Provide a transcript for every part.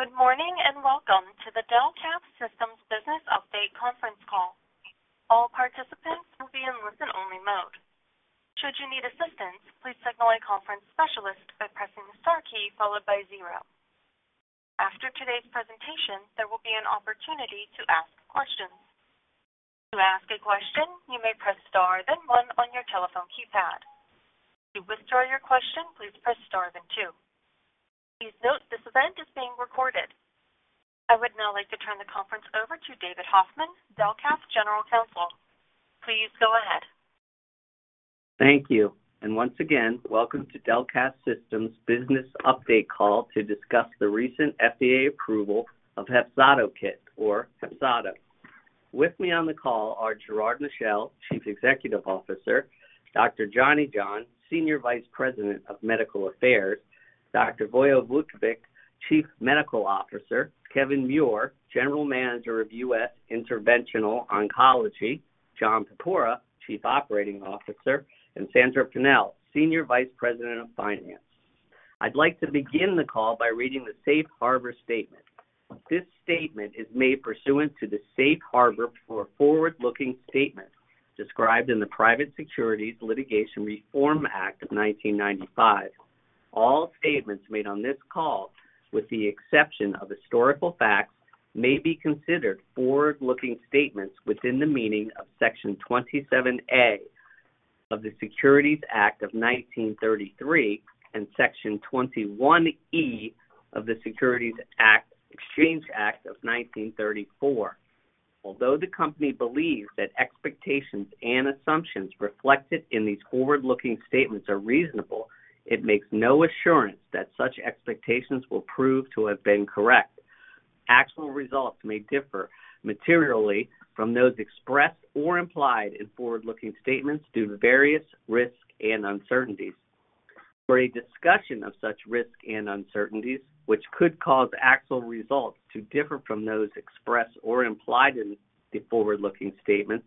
Good morning, welcome to the Delcath Systems Business Update conference call. All participants will be in listen-only mode. Should you need assistance, please signal a conference specialist by pressing the star key followed by zero. After today's presentation, there will be an opportunity to ask questions. To ask a question, you may press star, then one on your telephone keypad. To withdraw your question, please press star, then two. Please note, this event is being recorded. I would now like to turn the conference over to David Hoffman, Delcath General Counsel. Please go ahead. Thank you. Once again, welcome to Delcath Systems Business Update Call to discuss the recent FDA approval of HEPZATO KIT or HEPZATO. With me on the call are Gerard Michel, Chief Executive Officer, Dr. Johnny John, Senior Vice President of Medical Affairs, Dr. Vojislav Vukovic, Chief Medical Officer, Kevin Muir, General Manager of U.S. Interventional Oncology, John Purpura, Chief Operating Officer, and Sandra Pennell, Senior Vice President of Finance. I'd like to begin the call by reading the Safe Harbor statement. This statement is made pursuant to the Safe Harbor for forward-looking statements described in the Private Securities Litigation Reform Act of 1995. All statements made on this call, with the exception of historical facts, may be considered forward-looking statements within the meaning of Section 27A of the Securities Act of 1933 and Section 21E of the Securities Act, Exchange Act of 1934. Although the company believes that expectations and assumptions reflected in these forward-looking statements are reasonable, it makes no assurance that such expectations will prove to have been correct. Actual results may differ materially from those expressed or implied in forward-looking statements due to various risks and uncertainties. For a discussion of such risks and uncertainties, which could cause actual results to differ from those expressed or implied in the forward-looking statement,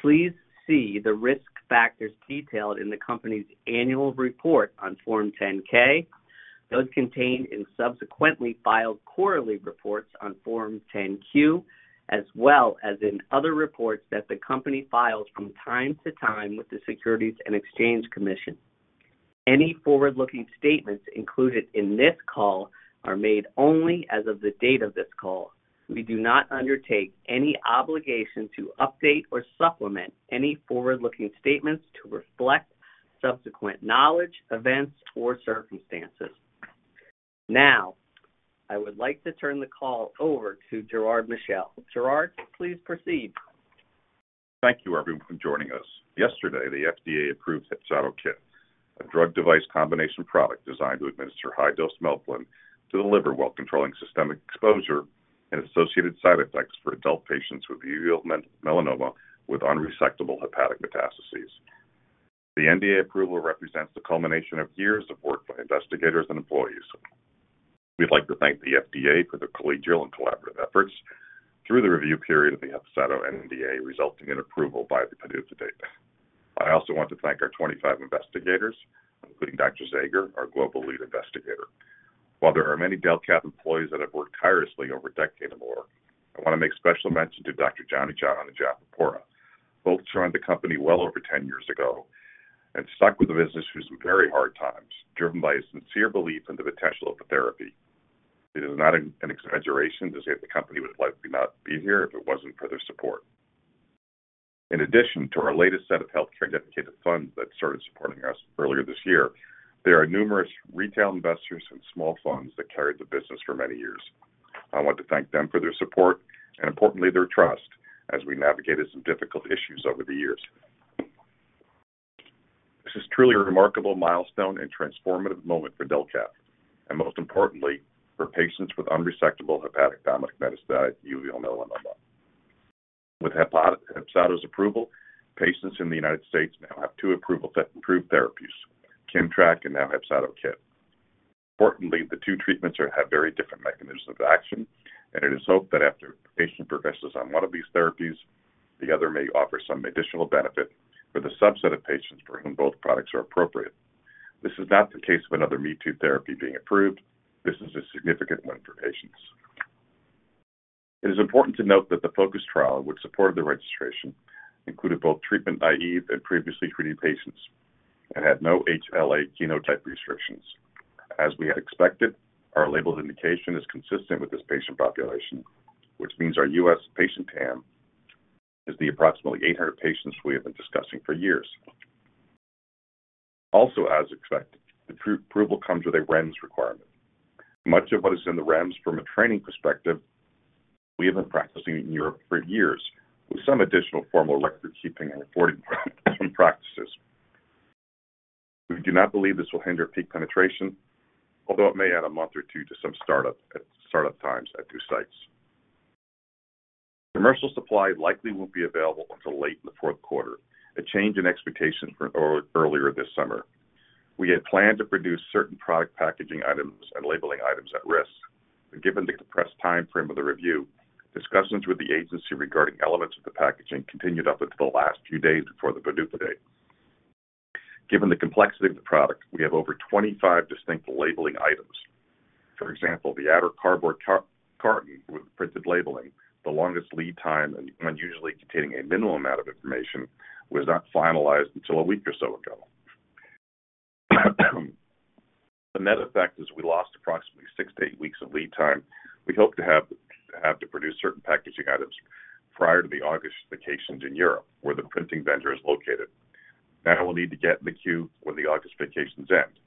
please see the risk factors detailed in the company's annual report on Form 10-K, those contained in subsequently filed quarterly reports on Form 10-Q, as well as in other reports that the company files from time to time with the Securities and Exchange Commission. Any forward-looking statements included in this call are made only as of the date of this call. We do not undertake any obligation to update or supplement any forward-looking statements to reflect subsequent knowledge, events, or circumstances. Now, I would like to turn the call over to Gerard Michel. Gerard, please proceed. Thank you, everyone, for joining us. Yesterday, the FDA approved HEPZATO KIT, a drug device combination product designed to administer high-dose melphalan to the liver while controlling systemic exposure and associated side effects for adult patients with uveal melanoma with unresectable hepatic metastases. The NDA approval represents the culmination of years of work by investigators and employees. We'd like to thank the FDA for their collegial and collaborative efforts through the review period of the HEPZATO NDA, resulting in approval by the PDUFA date. I also want to thank our 25 investigators, including Dr. Zager, our Global Lead Investigator. While there are many Delcath employees that have worked tirelessly over a decade or more, I want to make special mention to Dr. Johnny John and John Purpura. Both joined the company well over 10 years ago and stuck with the business through some very hard times, driven by a sincere belief in the potential of the therapy. It is not an exaggeration to say the company would likely not be here if it wasn't for their support. In addition to our latest set of healthcare-dedicated funds that started supporting us earlier this year, there are numerous retail investors and small funds that carried the business for many years. I want to thank them for their support and importantly, their trust, as we navigated some difficult issues over the years. This is truly a remarkable milestone and transformative moment for Delcath and most importantly, for patients with unresectable hepatic metastatic Uveal Melanoma. With HEPZATO's approval, patients in the United States now have 2 approval-approved therapies, KIMMTRAK and now HEPZATO KIT. Importantly, the two treatments have very different mechanisms of action, and it is hoped that after a patient progresses on one of these therapies, the other may offer some additional benefit for the subset of patients for whom both products are appropriate. This is not the case of another me-too therapy being approved. This is a significant win for patients. It is important to note that the FOCUS trial, which supported the registration, included both treatment-naive and previously treated patients and had no HLA-A*02:01 restrictions. As we had expected, our label indication is consistent with this patient population, which means our US patient TAM is the approximately 800 patients we have been discussing for years. Also, as expected, the approval comes with a REMS requirement. Much of what is in the REMS from a training perspective, we have been practicing in Europe for years, with some additional formal record keeping and reporting practices. We do not believe this will hinder peak penetration, although it may add one or two months to some startup times at two sites. Commercial supply likely won't be available until late in the fourth quarter, a change in expectations from earlier this summer. We had planned to produce certain product packaging items and labeling items at risk. Given the compressed timeframe of the review, discussions with the agency regarding elements of the packaging continued up until the last few days before the PDUFA date. Given the complexity of the product, we have over 25 distinct labeling items. For example, the outer cardboard carton with printed labeling, the longest lead time and unusually containing a minimal amount of information, was not finalized until a week or so ago. The net effect is we lost approximately six to eight weeks of lead time. We hope to have to produce certain packaging items prior to the August vacations in Europe, where the printing vendor is located. We'll need to get in the queue when the August vacations end.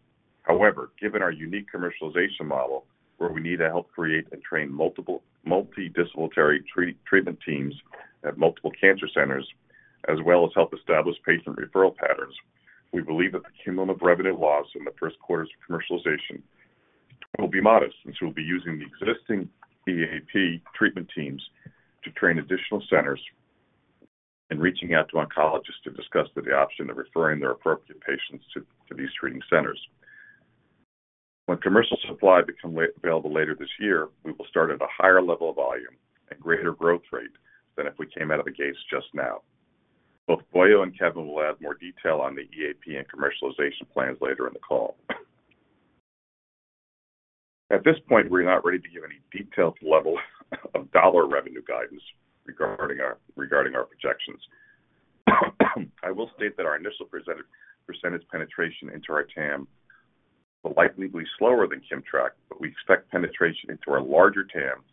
However, given our unique commercialization model, where we need to help create and train multiple multidisciplinary treatment teams at multiple cancer centers, as well as help establish patient referral patterns, we believe that the cumulative revenue loss in the 1st quarters of commercialization will be modest, since we'll be using the existing EAP treatment teams to train additional centers and reaching out to oncologists to discuss the option of referring their appropriate patients to these treating centers. When commercial supply become way available later this year, we will start at a higher level of volume and greater growth rate than if we came out of the gates just now. Both Vojo and Kevin will add more detail on the EAP and commercialization plans later in the call. At this point, we're not ready to give any detailed level of dollar revenue guidance regarding our projections. I will state that our initial percentage penetration into our TAM will likely be slower than KIMMTRAK, but we expect penetration into our larger TAM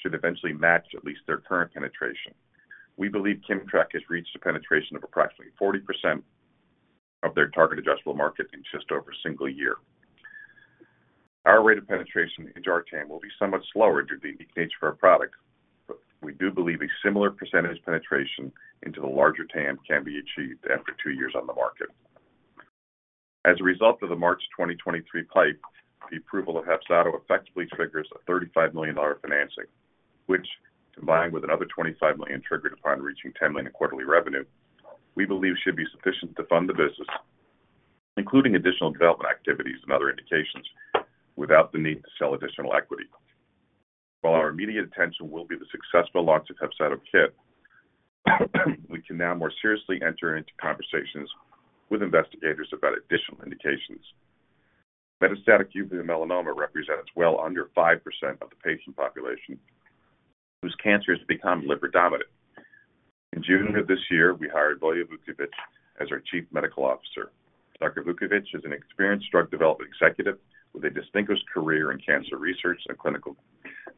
should eventually match at least their current penetration. We believe KIMMTRAK has reached a penetration of approximately 40% of their target addressable market in just over one year. Our rate of penetration into our TAM will be somewhat slower due to the nature of our product, but we do believe a similar percentage penetration into the larger TAM can be achieved after two years on the market. As a result of the March 2023 PIPE, the approval of HEPZATO effectively triggers a $35 million financing, which, combined with another $25 million triggered upon reaching $10 million quarterly revenue, we believe should be sufficient to fund the business, including additional development activities and other indications, without the need to sell additional equity. While our immediate attention will be the successful launch of HEPZATO KIT, we can now more seriously enter into conversations with investigators about additional indications. Metastatic uveal melanoma represents well under 5% of the patient population, whose cancers become liver-dominant. In June of this year, we hired Vojo Vukovic as our Chief Medical Officer. Dr. Vukovic is an experienced drug development executive with a distinguished career in cancer research and clinical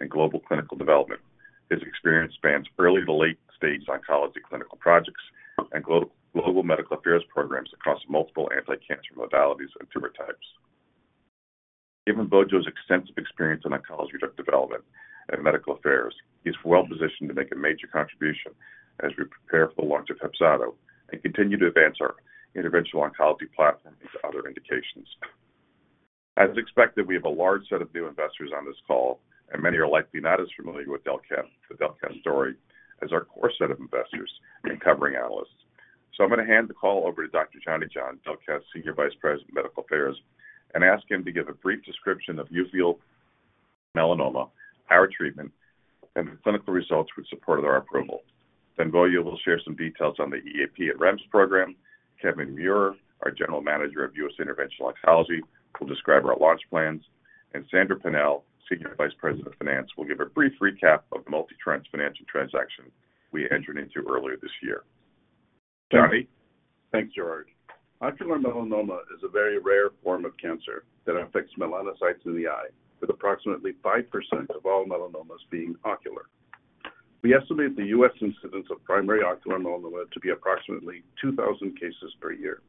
and global clinical development. His experience spans early to late-stage oncology clinical projects and global medical affairs programs across multiple anticancer modalities and tumor types. Given Vojo's extensive experience in oncology drug development and medical affairs, he's well-positioned to make a major contribution as we prepare for the launch of HEPZATO and continue to advance our interventional oncology platform into other indications. As expected, we have a large set of new investors on this call, and many are likely not as familiar with Delcath Systems, the Delcath Systems story, as our core set of investors and covering analysts. I'm going to hand the call over to Dr. Johnny John, Delcath Systems' Senior Vice President, Medical Affairs, and ask him to give a brief description of uveal melanoma, our treatment, and the clinical results which supported our approval. Vojo will share some details on the EAP and REMS program. Kevin Muir, our General Manager of US Interventional Oncology, will describe our launch plans, Sandra Pennell, Senior Vice President of Finance, will give a brief recap of the multi-tranche financial transaction we entered into earlier this year. Johnny? Thanks, Gerard. Ocular melanoma is a very rare form of cancer that affects melanocytes in the eye, with approximately 5% of all melanomas being ocular. We estimate the U.S. incidence of primary ocular melanoma to be approximately 2,000 cases per year.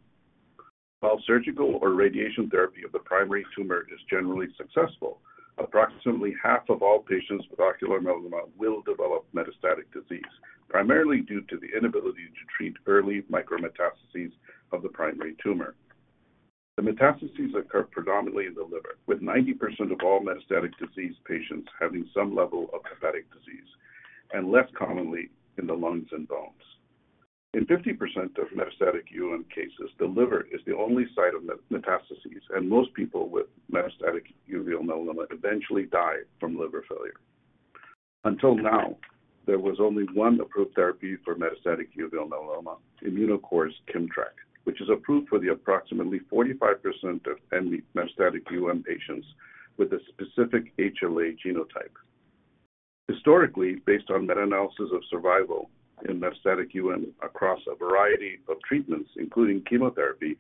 While surgical or radiation therapy of the primary tumor is generally successful, approximately half of all patients with ocular melanoma will develop metastatic disease, primarily due to the inability to treat early micrometastases of the primary tumor. The metastases occur predominantly in the liver, with 90% of all metastatic disease patients having some level of hepatic disease, and less commonly in the lungs and bones. In 50% of metastatic UM cases, the liver is the only site of metastases, and most people with metastatic uveal melanoma eventually die from liver failure. Until now, there was only one approved therapy for metastatic uveal melanoma, Immunocore's KIMMTRAK, which is approved for the approximately 45% of metastatic UM patients with a specific HLA genotype. Historically, based on meta-analysis of survival in metastatic UM across a variety of treatments, including chemotherapy,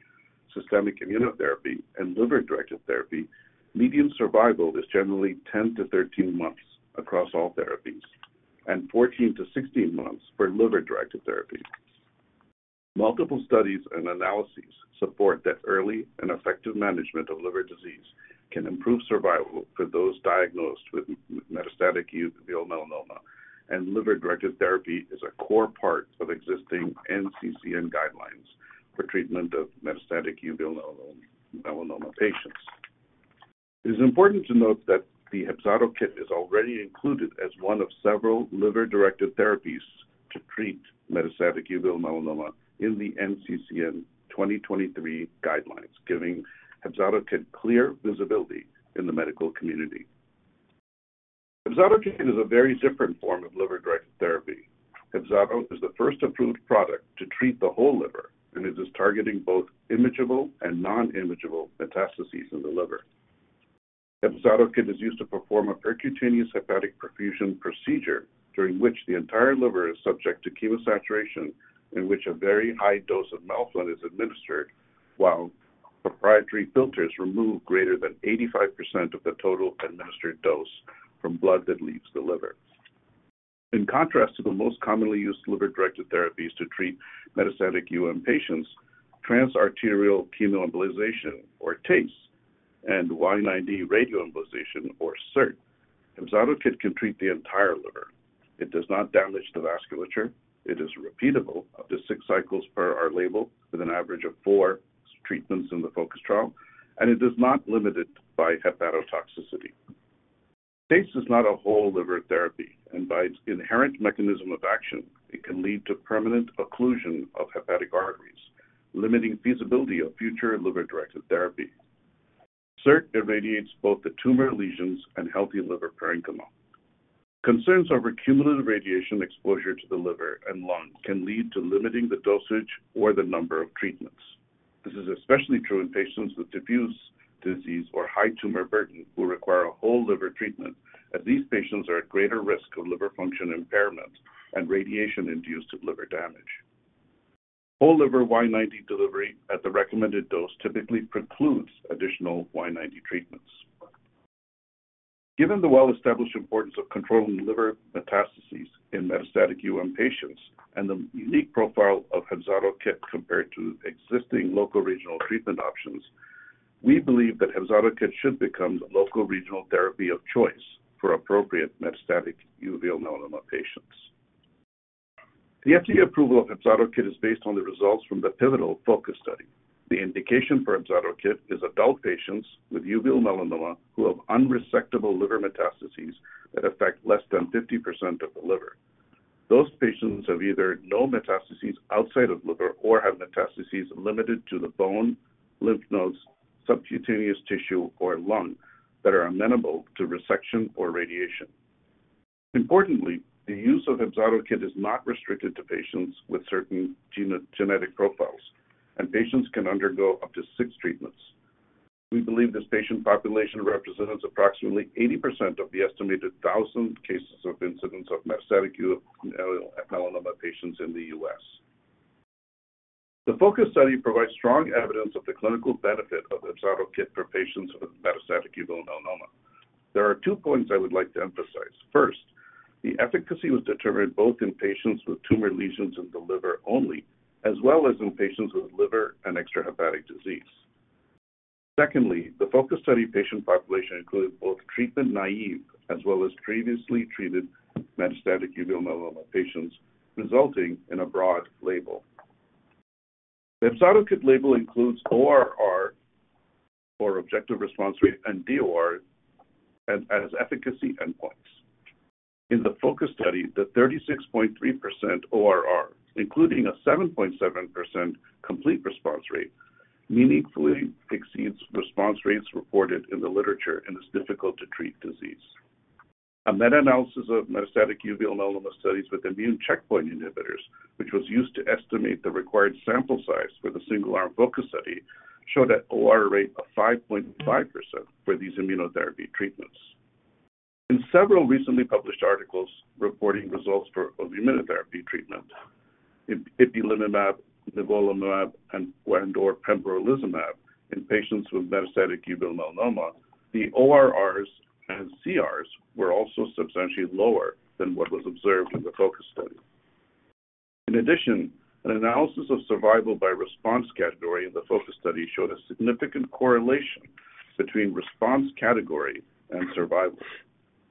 systemic immunotherapy, and liver-directed therapy, median survival is generally 10-13 months across all therapies, and 14-16 months for liver-directed therapy. Multiple studies and analyses support that early and effective management of liver disease can improve survival for those diagnosed with metastatic uveal melanoma, and liver-directed therapy is a core part of existing NCCN guidelines for treatment of metastatic uveal melanoma patients. It is important to note that the HEPZATO KIT is already included as one of several liver-directed therapies to treat metastatic uveal melanoma in the NCCN 2023 guidelines, giving HEPZATO KIT clear visibility in the medical community. HEPZATO KIT is a very different form of liver-directed therapy. HEPZATO is the first approved product to treat the whole liver, and it is targeting both imageable and non-imageable metastases in the liver. HEPZATO KIT is used to perform a Percutaneous Hepatic Perfusion procedure, during which the entire liver is subject to chemosaturation, in which a very high dose of melphalan is administered, while proprietary filters remove greater than 85% of the total administered dose from blood that leaves the liver. In contrast to the most commonly used liver-directed therapies to treat metastatic UM patients, Transarterial Chemoembolization, or TACE, and Y-90 radioembolization, or SIRT, HEPZATO KIT can treat the entire liver. It does not damage the vasculature. It is repeatable up to six cycles per our label, with an average of four treatments in the FOCUS trial, and it is not limited by hepatotoxicity. TACE is not a whole-liver therapy, and by its inherent mechanism of action, it can lead to permanent occlusion of hepatic arteries, limiting feasibility of future liver-directed therapy. SIRT irradiates both the tumor lesions and healthy hepatic parenchyma. Concerns over cumulative radiation exposure to the liver and lungs can lead to limiting the dosage or the number of treatments. This is especially true in patients with diffuse disease or high tumor burden, who require a whole-liver treatment, as these patients are at greater risk of liver function impairment and radiation-induced liver damage. Whole-liver Y-90 delivery at the recommended dose typically precludes additional Y-90 treatments. Given the well-established importance of controlling liver metastases in metastatic UM patients and the unique profile of HEPZATO KIT compared to existing locoregional treatment options, we believe that HEPZATO KIT should become the locoregional therapy of choice for appropriate metastatic uveal melanoma patients. The FDA approval of HEPZATO KIT is based on the results from the pivotal FOCUS trial. The indication for HEPZATO KIT is adult patients with uveal melanoma who have unresectable liver metastases that affect less than 50% of the liver. Those patients have either no metastases outside of liver or have metastases limited to the bone, lymph nodes, subcutaneous tissue, or lung that are amenable to resection or radiation. Importantly, the use of HEPZATO KIT is not restricted to patients with certain genetic profiles, and patients can undergo up to six treatments. We believe this patient population represents approximately 80% of the estimated 1,000 cases of incidence of metastatic uveal melanoma patients in the U.S. The FOCUS study provides strong evidence of the clinical benefit of HEPZATO KIT for patients with metastatic uveal melanoma. There are two points I would like to emphasize. First, the efficacy was determined both in patients with tumor lesions in the liver only, as well as in patients with liver and extrahepatic disease. Secondly, the FOCUS study patient population included both treatment-naive as well as previously treated metastatic uveal melanoma patients, resulting in a broad label. The HEPZATO KIT label includes ORR, or objective response rate, and DoR as efficacy endpoints. In the FOCUS study, the 36.3% ORR, including a 7.7% complete response rate, meaningfully exceeds response rates reported in the literature and is difficult to treat disease. A meta-analysis of metastatic uveal melanoma studies with immune checkpoint inhibitors, which was used to estimate the required sample size for the single-arm FOCUS study, showed an ORR of 5.5% for these immunotherapy treatments. In several recently published articles reporting results for immunotherapy treatment, ipilimumab, nivolumab, and/or pembrolizumab in patients with metastatic uveal melanoma, the ORRs and CRs were also substantially lower than what was observed in the FOCUS study. In addition, an analysis of survival by response category in the FOCUS study showed a significant correlation between response category and survival,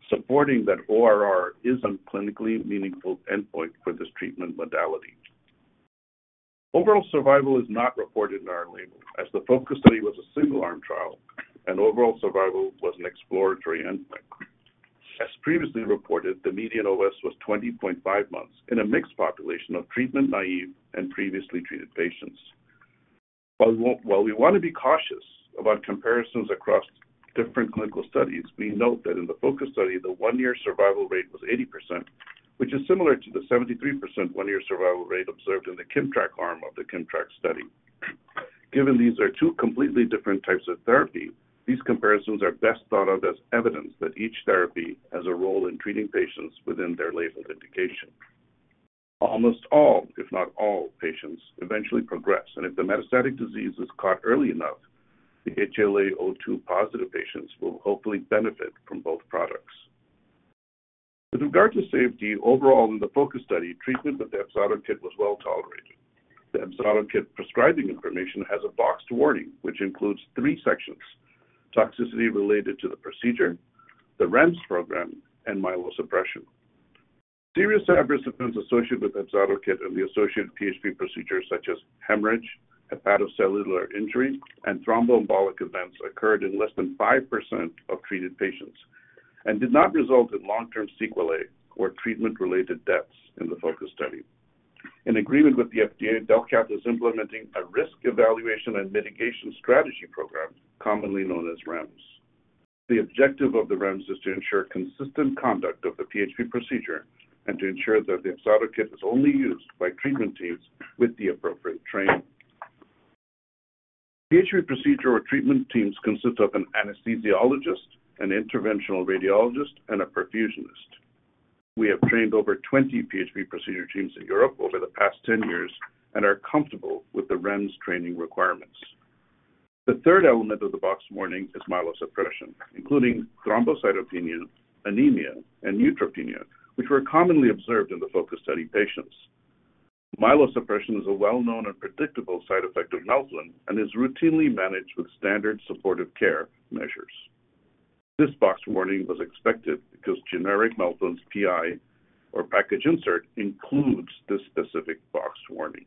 supporting that ORR is a clinically meaningful endpoint for this treatment modality. Overall survival is not reported in our label, as the FOCUS study was a single-arm trial and overall survival was an exploratory endpoint. As previously reported, the median OS was 20.5 months in a mixed population of treatment-naive and previously treated patients. While we want to be cautious about comparisons across different clinical studies, we note that in the FOCUS study, the one year survival rate was 80%, which is similar to the 73% one year survival rate observed in the Keytruda arm of the Keytruda study. Given these are two completely different types of therapy, these comparisons are best thought of as evidence that each therapy has a role in treating patients within their labeled indication. Almost all, if not all, patients eventually progress, and if the metastatic disease is caught early enough, the HLA-A*02:01-positive patients will hopefully benefit from both products. With regard to safety, overall in the FOCUS study, treatment with the HEPZATO KIT was well-tolerated. The HEPZATO KIT prescribing information has a boxed warning, which includes 3 sections: toxicity related to the procedure, the REMS program, and myelosuppression. Serious adverse events associated with HEPZATO KIT and the associated PHP procedures, such as hemorrhage, hepatocellular injury, and thromboembolic events, occurred in less than 5% of treated patients and did not result in long-term sequelae or treatment-related deaths in the FOCUS study. In agreement with the FDA, Delcath Systems is implementing a Risk Evaluation and Mitigation Strategy program, commonly known as REMS. The objective of the REMS is to ensure consistent conduct of the PHP procedure and to ensure that the HEPZATO KIT is only used by treatment teams with the appropriate training. PHP procedure or treatment teams consist of an anesthesiologist, an Interventional Radiologist, and a perfusionist. We have trained over 20 PHP procedure teams in Europe over the past 10 years and are comfortable with the REMS training requirements. The third element of the box warning is myelosuppression, including thrombocytopenia, anemia, and neutropenia, which were commonly observed in the FOCUS study patients. Myelosuppression is a well-known and predictable side effect of melphalan and is routinely managed with standard supportive care measures. This box warning was expected because generic melphalan's PI, or package insert, includes this specific box warning.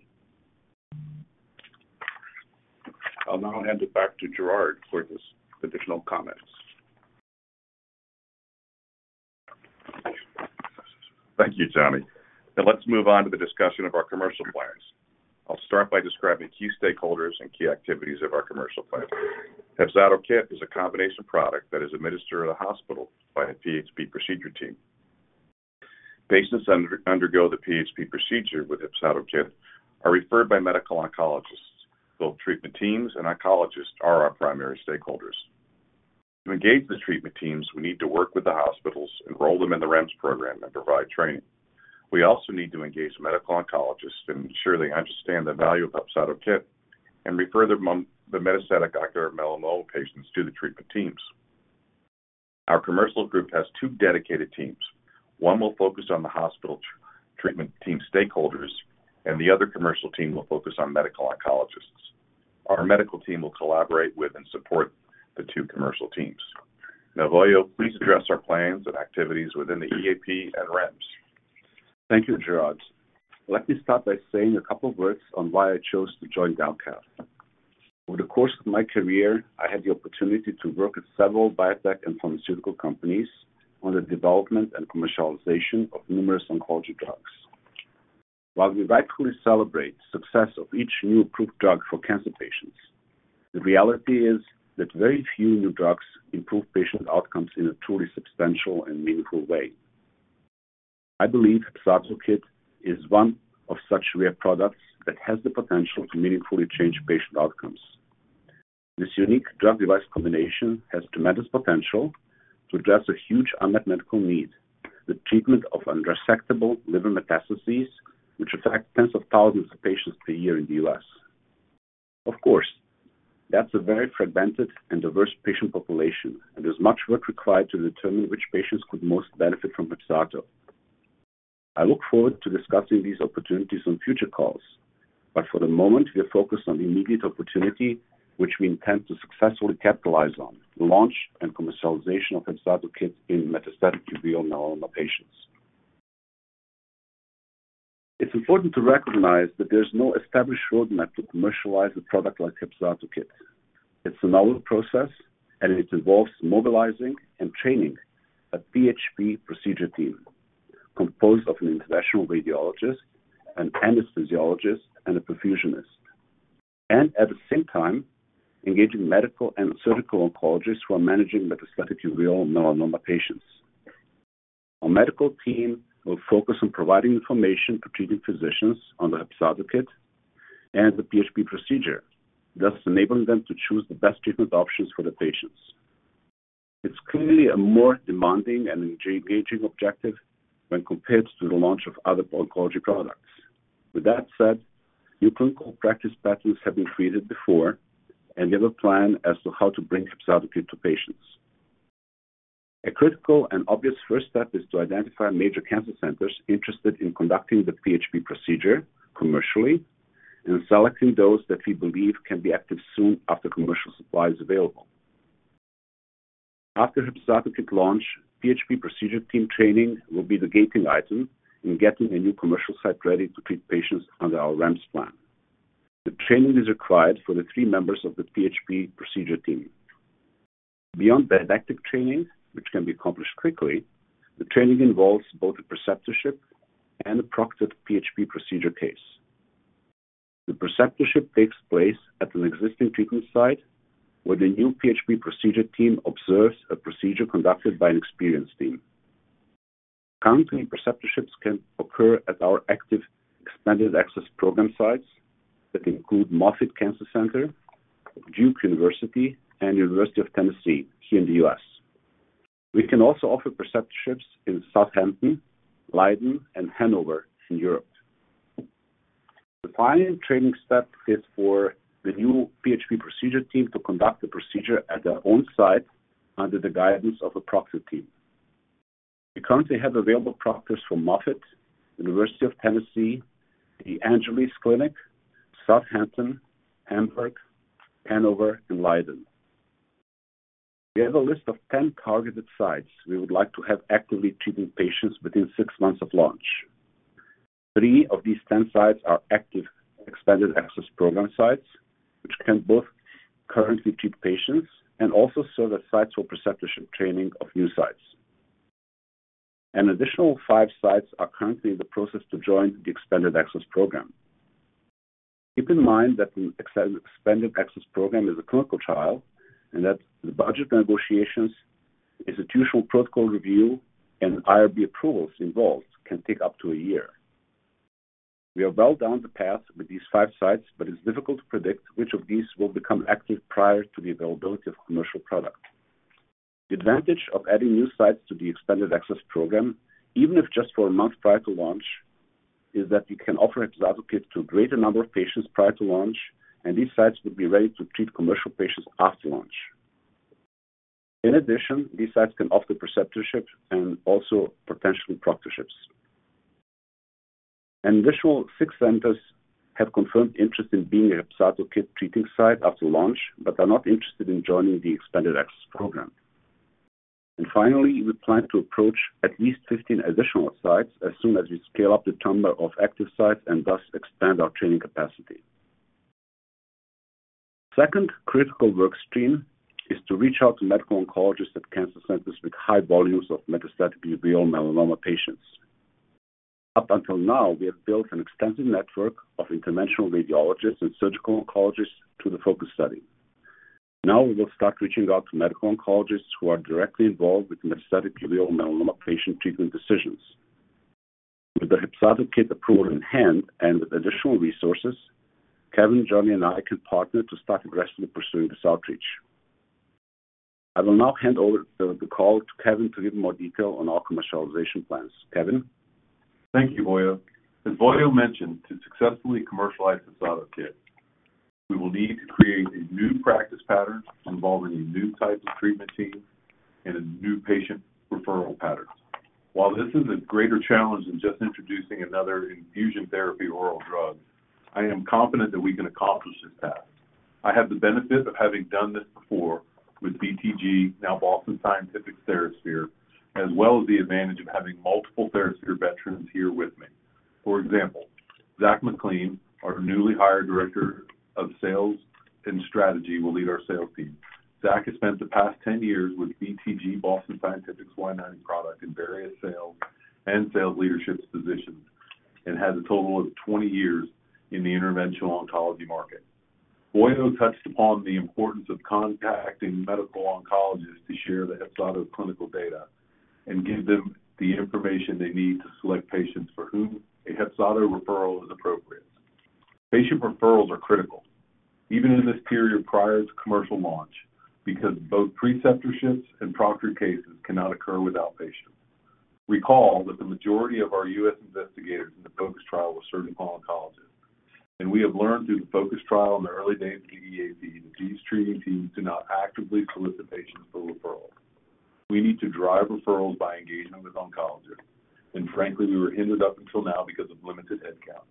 I'll now hand it back to Gerard for his additional comments. Thank you, Johnny. Let's move on to the discussion of our commercial plans. I'll start by describing key stakeholders and key activities of our commercial plan. HEPZATO KIT is a combination product that is administered at a hospital by a PHP procedure team. Patients undergo the PHP procedure with HEPZATO KIT are referred by medical oncologists. Both treatment teams and oncologists are our primary stakeholders. To engage the treatment teams, we need to work with the hospitals, enroll them in the REMS program, and provide training. We also need to engage medical oncologists and ensure they understand the value of HEPZATO KIT and refer the metastatic ocular melanoma patients to the treatment teams. Our commercial group has two dedicated teams. One will focus on the hospital treatment team stakeholders, and the other commercial team will focus on medical oncologists. Our medical team will collaborate with and support the two commercial teams. Now Vojo, please address our plans and activities within the EAP and REMS. Thank you, Gerard. Let me start by saying a couple of words on why I chose to join Delcath Systems. Over the course of my career, I had the opportunity to work with several biotech and pharmaceutical companies on the development and commercialization of numerous oncology drugs. While we rightfully celebrate success of each new approved drug for cancer patients, the reality is that very few new drugs improve patient outcomes in a truly substantial and meaningful way. I believe HEPZATO KIT is one of such rare products that has the potential to meaningfully change patient outcomes. This unique drug device combination has tremendous potential to address a huge unmet medical need, the treatment of unresectable liver metastases, which affect tens of thousands of patients per year in the U.S. Of course, that's a very fragmented and diverse patient population, and there's much work required to determine which patients could most benefit from HEPZATO. I look forward to discussing these opportunities on future calls, but for the moment, we are focused on the immediate opportunity, which we intend to successfully capitalize on, the launch and commercialization of HEPZATO KIT in metastatic uveal melanoma patients. It's important to recognize that there's no established roadmap to commercialize a product like HEPZATO KIT. It's a novel process, and it involves mobilizing and training a PHP procedure team composed of an interventional radiologist, an anesthesiologist, and a perfusionist, and at the same time, engaging medical and surgical oncologists who are managing metastatic uveal melanoma patients. Our medical team will focus on providing information to treating physicians on the HEPZATO KIT and the PHP procedure, thus enabling them to choose the best treatment options for the patients. It's clearly a more demanding and engaging objective when compared to the launch of other oncology products. With that said, new clinical practice patterns have been created before, and we have a plan as to how to bring HEPZATO KIT to patients. A critical and obvious first step is to identify major cancer centers interested in conducting the PHP procedure commercially and selecting those that we believe can be active soon after commercial supply is available. After HEPZATO KIT launch, PHP procedure team training will be the gating item in getting a new commercial site ready to treat patients under our REMS plan. The training is required for the three members of the PHP procedure team. Beyond didactic training, which can be accomplished quickly, the training involves both a preceptorship and a proctored PHP procedure case. The preceptorship takes place at an existing treatment site, where the new PHP procedure team observes a procedure conducted by an experienced team. Currently, preceptorships can occur at our active Expanded Access Program sites that include Moffitt Cancer Center, Duke University, and University of Tennessee here in the US. We can also offer preceptorships in Southampton, Leiden, and Hanover in Europe. The final training step is for the new PHP procedure team to conduct the procedure at their own site under the guidance of a proctor team. We currently have available proctors from Moffitt, University of Tennessee, the Angeles Clinic, Southampton, Hamburg, Hanover, and Leiden. We have a list of 10 targeted sites we would like to have actively treating patients within six months of launch. Three of these 10 sites are active expanded access program sites, which can both currently treat patients and also serve as sites for preceptorship training of new sites. Additional five sites are currently in the process to join the expanded access program. Keep in mind that the expanded access program is a clinical trial, and that the budget negotiations, institutional protocol review, and IRB approvals involved can take up to a year. It's difficult to predict which of these will become active prior to the availability of commercial product. The advantage of adding new sites to the expanded access program, even if just for a month prior to launch, is that we can offer HEPZATO KIT to a greater number of patients prior to launch, and these sites will be ready to treat commercial patients after launch. In addition, these sites can offer preceptorship and also potential proctorships. An additional six centers have confirmed interest in being a HEPZATO KIT treating site after launch, but are not interested in joining the Expanded Access Program. Finally, we plan to approach at least 15 additional sites as soon as we scale up the number of active sites and thus expand our training capacity. Second, critical work stream is to reach out to medical oncologists at cancer centers with high volumes of metastatic uveal melanoma patients. Up until now, we have built an extensive network of Interventional Radiologists and Surgical Oncologists through the FOCUS trial. Now, we will start reaching out to medical oncologists who are directly involved with metastatic uveal melanoma patient treatment decisions. With the HEPZATO KIT approval in hand and with additional resources, Kevin, Johnny, and I can partner to start aggressively pursuing this outreach. I will now hand over the call to Kevin to give more detail on our commercialization plans. Kevin? Thank you, Vojo. As Vojo mentioned, to successfully commercialize the HEPZATO KIT, we will need to create a new practice pattern involving a new type of treatment team and a new patient referral pattern. While this is a greater challenge than just introducing another infusion therapy oral drug, I am confident that we can accomplish this task. I have the benefit of having done this before with BTG, now Boston Scientific TheraSphere, as well as the advantage of having multiple TheraSphere veterans here with me. For example, Zac MacLean, our newly hired Director of Sales and Strategy, will lead our sales team. Zac has spent the past 10 years with BTG Boston Scientific's Y-90 product in various sales and sales leadership positions and has a total of 20 years in the interventional oncology market. Vojo touched upon the importance of contacting medical oncologists to share the HEPZATO clinical data and give them the information they need to select patients for whom a HEPZATO referral is appropriate. Patient referrals are critical, even in this period prior to commercial launch, because both preceptorships and proctored cases cannot occur without patients. Recall that the majority of our US investigators in the FOCUS trial were surgical oncologists, and we have learned through the FOCUS trial in the early days of EAP that these treating teams do not actively solicit patients for referrals. We need to drive referrals by engaging with oncologists, and frankly, we were hindered up until now because of limited headcount.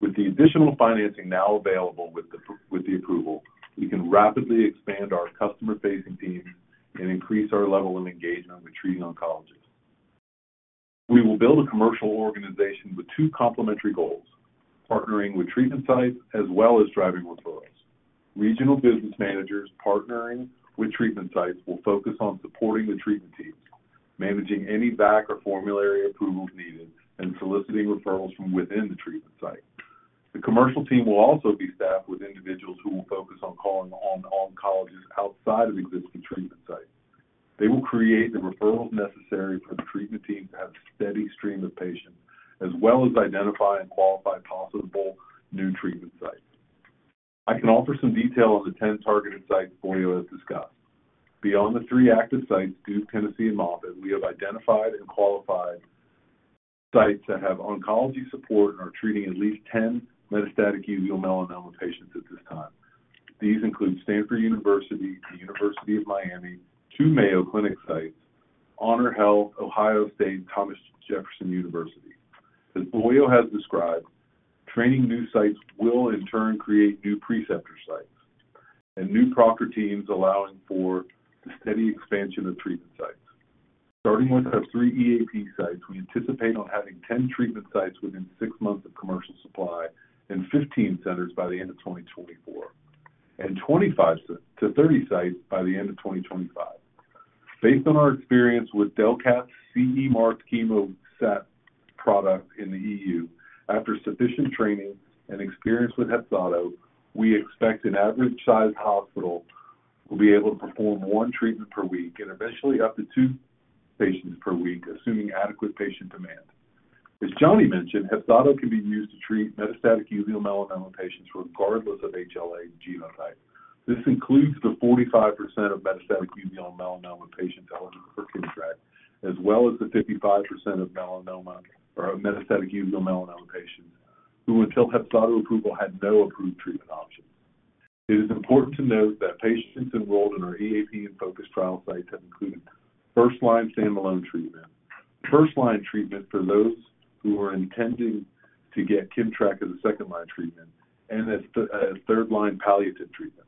With the additional financing now available with the approval, we can rapidly expand our customer-facing teams and increase our level of engagement with treating oncologists. We will build a commercial organization with two complementary goals: partnering with treatment sites as well as driving referrals. Regional business managers partnering with treatment sites will focus on supporting the treatment teams, managing any back or formulary approvals needed, and soliciting referrals from within the treatment site. The commercial team will also be staffed with individuals who will focus on calling on oncologists outside of existing treatment sites. They will create the referrals necessary for the treatment team to have a steady stream of patients, as well as identify and qualify possible new treatment sites. I can offer some detail on the 10 targeted sites Vojo has discussed. Beyond the three active sites, Duke, Tennessee, and Moffitt, we have identified and qualified sites that have oncology support and are treating at least 10 metastatic uveal melanoma patients at this time. These include Stanford University, the University of Miami, two Mayo Clinic sites, HonorHealth, Ohio State, and Thomas Jefferson University. As Vojo has described, training new sites will in turn create new preceptor sites and new proctor teams, allowing for the steady expansion of treatment sites. Starting with our three EAP sites, we anticipate on having 10 treatment sites within six months of commercial supply and 15 centers by the end of 2024, and 25-30 sites by the end of 2025. Based on our experience with Delcath's CE marked CHEMOSAT product in the EU, after sufficient training and experience with HEPZATO, we expect an average-sized hospital will be able to perform one treatment per week and eventually up to two patients per week, assuming adequate patient demand. As Johnny mentioned, HEPZATO can be used to treat metastatic uveal melanoma patients regardless of HLA genotype. This includes the 45% of metastatic uveal melanoma patients eligible for KIMMTRAK, as well as the 55% of melanoma or metastatic uveal melanoma patients who, until HEPZATO approval, had no approved treatment options. It is important to note that patients enrolled in our EAP and FOCUS trial sites have included first-line sand alone treatment, first-line treatment for those who are intending to get KIMMTRAK as a second-line treatment, and as a third-line palliative treatment.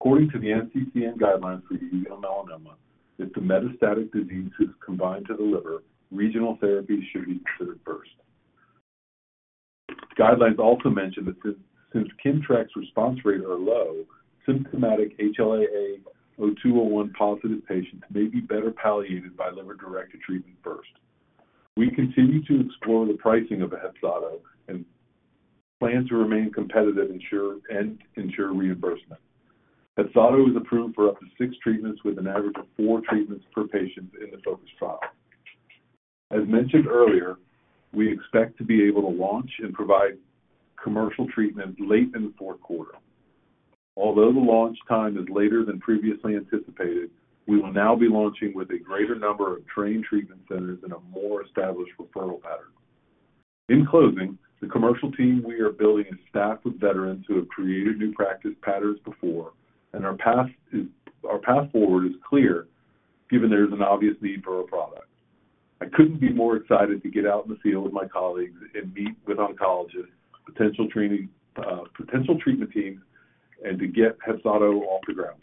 According to the NCCN guidelines for uveal melanoma, if the metastatic disease is confined to the liver, regional therapy should be considered first. The guidelines also mention that since KIMMTRAK's response rates are low, symptomatic HLA-A*02:01-positive patients may be better palliated by liver-directed treatment first. We continue to explore the pricing of HEPZATO and plan to remain competitive, and ensure reimbursement. HEPZATO is approved for up to six treatments, with an average of four treatments per patient in the FOCUS trial. As mentioned earlier, we expect to be able to launch and provide commercial treatment late in the fourth quarter. The launch time is later than previously anticipated, we will now be launching with a greater number of trained treatment centers and a more established referral pattern. In closing, the commercial team we are building is staffed with veterans who have created new practice patterns before, our path forward is clear, given there is an obvious need for our product. I couldn't be more excited to get out in the field with my colleagues and meet with oncologists, potential training, potential treatment teams, and to get HEPZATO off the ground.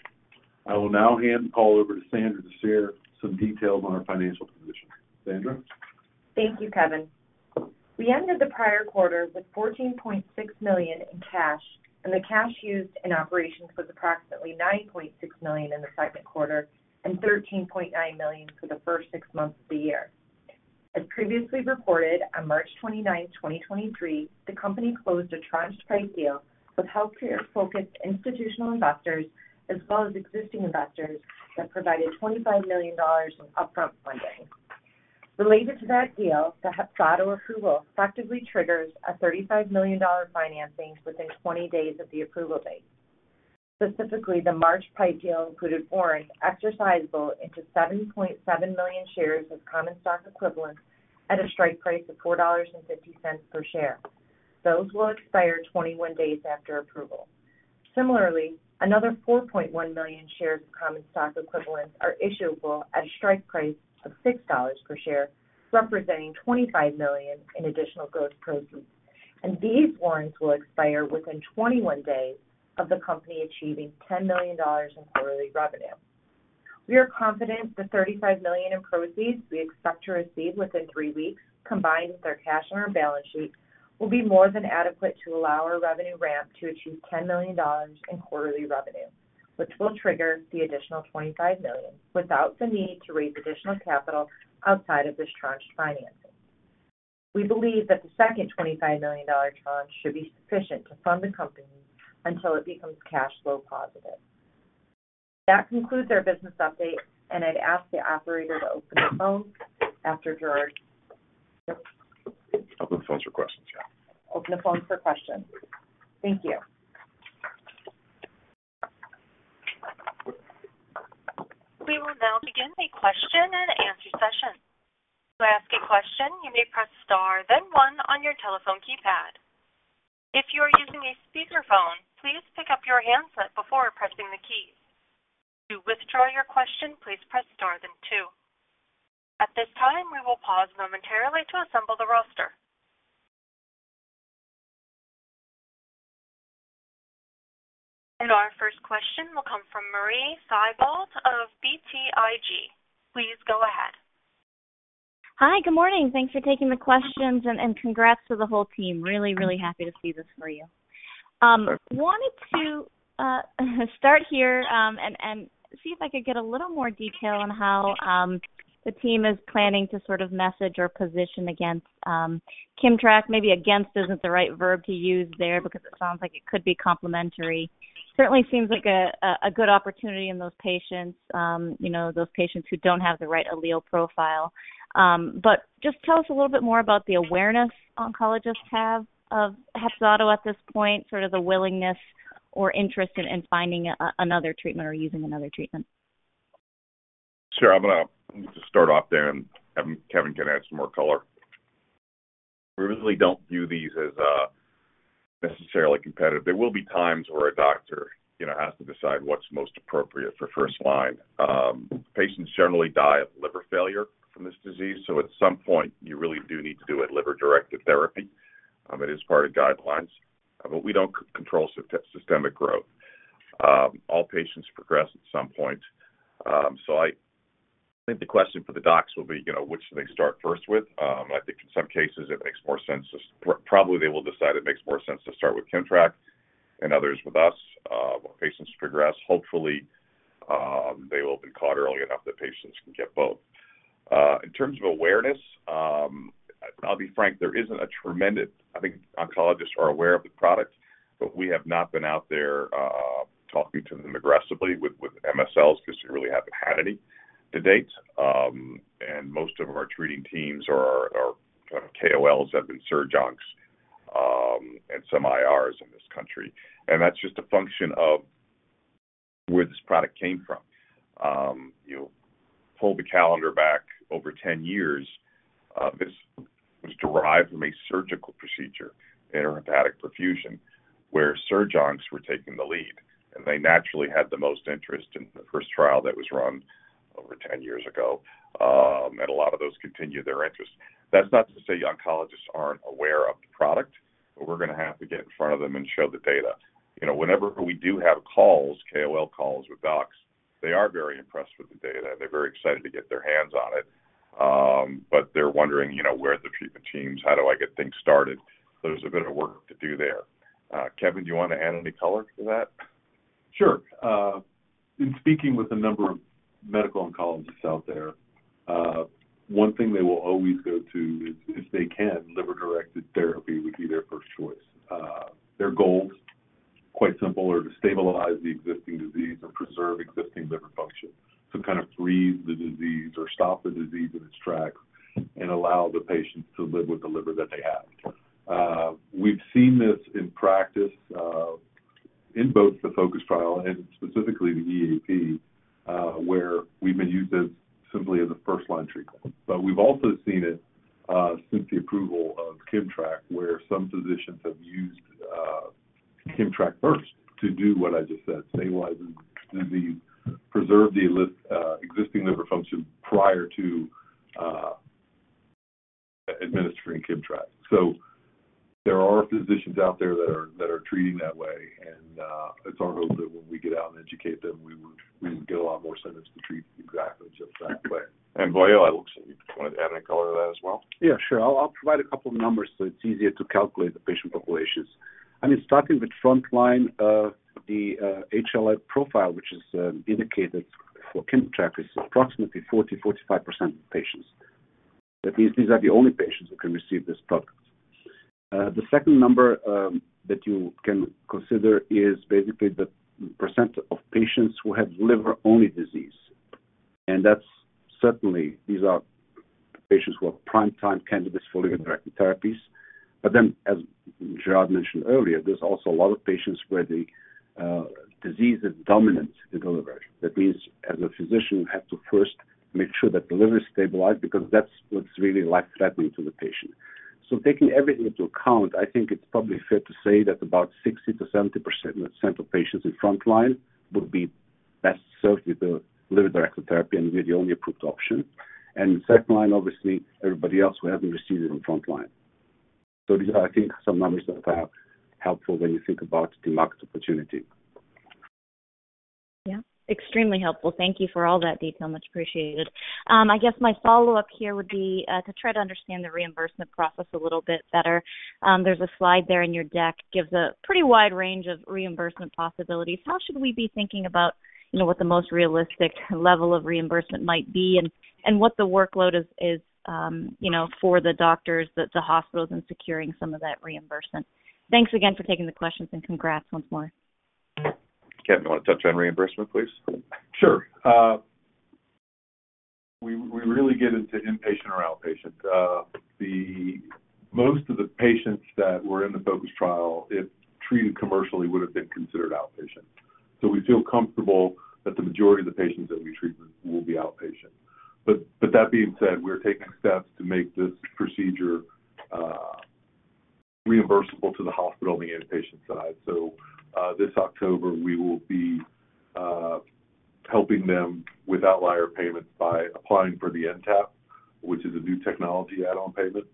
I will now hand the call over to Sandra to share some details on our financial position. Sandra? Thank you, Kevin. We ended the prior quarter with $14.6 million in cash, and the cash used in operations was approximately $9.6 million in the second quarter and $13.9 million for the first six months of the year. As previously reported, on March 29, 2023, the company closed a tranche PIPE deal with healthcare-focused institutional investors, as well as existing investors that provided $25 million in upfront funding. Related to that deal, the HEPZATO KIT approval effectively triggers a $35 million financing within 20 days of the approval date. Specifically, the March PIPE deal included warrants exercisable into 70.7 million shares of common stock equivalent at a strike price of $4.50 per share. Those will expire 21 days after approval. Similarly, another 4.1 million shares of common stock equivalent are issuable at a strike price of $6 per share, representing $25 million in additional growth proceeds. These warrants will expire within 21 days of the company achieving $10 million in quarterly revenue. We are confident the $35 million in proceeds we expect to receive within three weeks, combined with our cash on our balance sheet, will be more than adequate to allow our revenue ramp to achieve $10 million in quarterly revenue, which will trigger the additional $25 million without the need to raise additional capital outside of this tranched financing. We believe that the second $25 million tranche should be sufficient to fund the company until it becomes cash flow positive. That concludes our business update, I'd ask the operator to open the phone after Gerard. Open the phones for questions, yeah. Open the phones for questions. Thank you. We will now begin the question-and-answer session. To ask a question, you may press star, then one on your telephone keypad. If you are using a speakerphone, please pick up your handset before pressing the keys. To withdraw your question, please press star, then two. At this time, we will pause momentarily to assemble the roster. Our first question will come from Marie Thibault of BTIG. Please go ahead. Hi, good morning. Thanks for taking the questions, and, and congrats to the whole team. Really, really happy to see this for you. Wanted to start here, and, and see if I could get a little more detail on how the team is planning to sort of message or position against KIMMTRAK. Maybe against isn't the right verb to use there because it sounds like it could be complementary. Certainly seems like a, a, a good opportunity in those patients, you know, those patients who don't have the right allele profile. But just tell us a little bit more about the awareness oncologists have of HEPZATO KIT at this point, sort of the willingness or interest in, in finding a, another treatment or using another treatment. Sure. I'm gonna just start off there, and Kevin can add some more color. We really don't view these as necessarily competitive. There will be times where a doctor, you know, has to decide what's most appropriate for first line. Patients generally die of liver failure from this disease, so at some point, you really do need to do a liver-directed therapy. It is part of guidelines, but we don't control systemic growth. All patients progress at some point. I think the question for the docs will be, you know, which do they start first with? I think in some cases it makes more sense to probably, they will decide it makes more sense to start with KIMMTRAK and others with us. When patients progress, hopefully, they will have been caught early enough that patients can get both. In terms of awareness, I'll be frank, there isn't a tremendous-- I think oncologists are aware of the product. We have not been out there, talking to them aggressively with, with MSLs because we really haven't had any to date. Most of our treating teams or our, our KOLs have been surg oncs, and some IRs in this country, and that's just a function of where this product came from. You pull the calendar back over 10 years, this was derived from a surgical procedure, intrahepatic perfusion, where surg oncs were taking the lead, and they naturally had the most interest in the first trial that was run over 10 years ago, and a lot of those continued their interest. That's not to say oncologists aren't aware of the product, but we're gonna have to get in front of them and show the data. You know, whenever we do have calls, KOL calls, they are very impressed with the data. They're very excited to get their hands on it. They're wondering, you know, where are the treatment teams? How do I get things started? There's a bit of work to do there. Kevin, do you want to add any color to that? Sure. In speaking with a number of medical oncologists out there, one thing they will always go to is, if they can, liver-directed therapy would be their first-line choice. Their goals, quite simple, are to stabilize the existing disease and preserve existing liver function. To kind of freeze the disease or stop the disease in its tracks and allow the patient to live with the liver that they have. We've seen this in practice, in both the FOCUS trial and specifically the EAP, where we've been used as simply as a first-line treatment. But we've also seen it, since the approval of KIMMTRAK, where some physicians have used KIMMTRAK first to do what I just said, stabilize the disease, preserve the list, existing liver function prior to administering KIMMTRAK. There are physicians out there that are, that are treating that way, and, it's our hope that when we get out and educate them, we would, we would get a lot more centers to treat exactly just that way. Vojo, I will see. Do you want to add any color to that as well? Yeah, sure. I'll, I'll provide a couple of numbers, so it's easier to calculate the patient populations. I mean, starting with frontline, the HLA profile, which is indicated for KIMMTRAK, is approximately 40%-45% of patients. These are the only patients who can receive this product. The second number that you can consider is basically the percentage of patients who have liver-only disease. That's certainly, these are patients who are prime time candidates for liver-directed therapies. Then, as Gerard mentioned earlier, there's also a lot of patients where the disease is dominant in the liver. That means, as a physician, you have to first make sure that the liver is stabilized because that's what's really life-threatening to the patient. Taking everything into account, I think it's probably fair to say that about 60%-70% of patients in frontline would be best served with the liver-directed therapy and we're the only approved option. Second line, obviously, everybody else who hasn't received it in frontline. These are, I think, some numbers that are helpful when you think about the market opportunity. Yeah, extremely helpful. Thank you for all that detail. Much appreciated. I guess my follow-up here would be to try to understand the reimbursement process a little bit better. There's a slide there in your deck, gives a pretty wide range of reimbursement possibilities. How should we be thinking about, you know, what the most realistic level of reimbursement might be and, and what the workload is, is, you know, for the doctors that the hospitals in securing some of that reimbursement? Thanks again for taking the questions, and congrats once more. Kevin, you want to touch on reimbursement, please? Sure. We, we really get into inpatient or outpatient. Most of the patients that were in the FOCUS Trial, if treated commercially, would have been considered outpatient. We feel comfortable that the majority of the patients that we treat will be outpatient. That being said, we're taking steps to make this procedure reimbursable to the hospital on the inpatient side. This October, we will be helping them with outlier payments by applying for the NTAP, which is a New Technology Add-on Payment.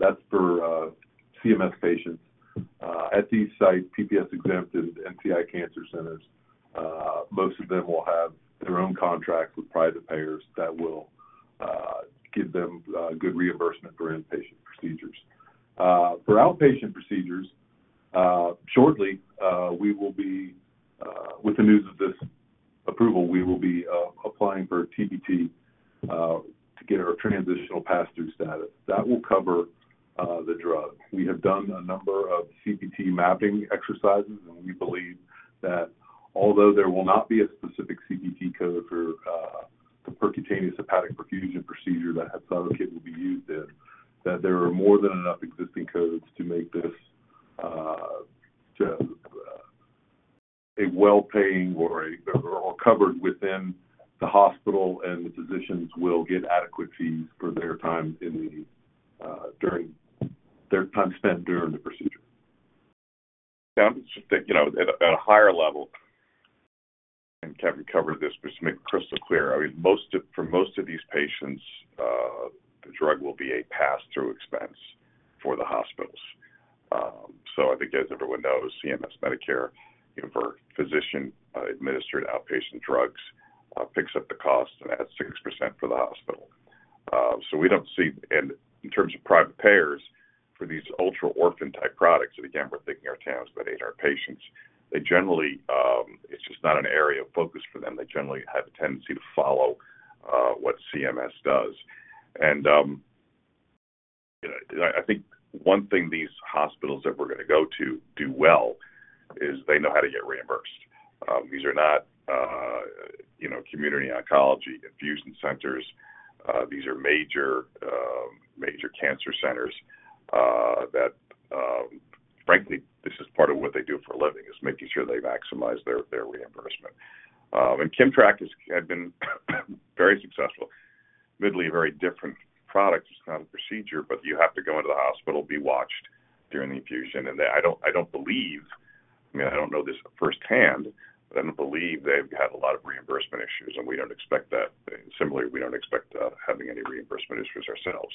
That's for CMS patients. At these sites, PPS-exempt NCI cancer centers, most of them will have their own contracts with private payers that will give them good reimbursement for inpatient procedures. For outpatient procedures, shortly, we will be, with the news of this approval, we will be, applying for TPT, to get our transitional pass-through status. That will cover, the drug. We have done a number of CPT mapping exercises, and we believe that although there will not be a specific CPT code for, the Percutaneous Hepatic Perfusion procedure that HEPZATO KIT will be used in, that there are more than enough existing codes to make this, just, a well-paying or a, or covered within the hospital, and the physicians will get adequate fees for their time in the, during, their time spent during the procedure. Yeah, you know, at a, at a higher level, Kevin covered this, but to make it crystal clear, I mean, for most of these patients, the drug will be a pass-through expense for the hospitals. I think as everyone knows, CMS Medicare, for physician administered outpatient drugs, picks up the cost and adds 6% for the hospital. We don't see. In terms of private payers, for these ultra-orphan type products, again, we're thinking our towns, but in our patients, they generally, it's just not an area of focus for them. They generally have a tendency to follow what CMS does. You know, I, I think one thing these hospitals that we're going to go to do well is they know how to get reimbursed. These are not, you know, community oncology infusion centers. These are major, major cancer centers that, frankly, this is part of what they do for a living, is making sure they maximize their, their reimbursement. KIMMTRAK has, had been very successful. Admittedly, a very different product. It's not a procedure, but you have to go into the hospital, be watched during the infusion. I don't, I don't believe, I mean, I don't know this firsthand, but I don't believe they've had a lot of reimbursement issues, and we don't expect that. Similarly, we don't expect having any reimbursement issues ourselves,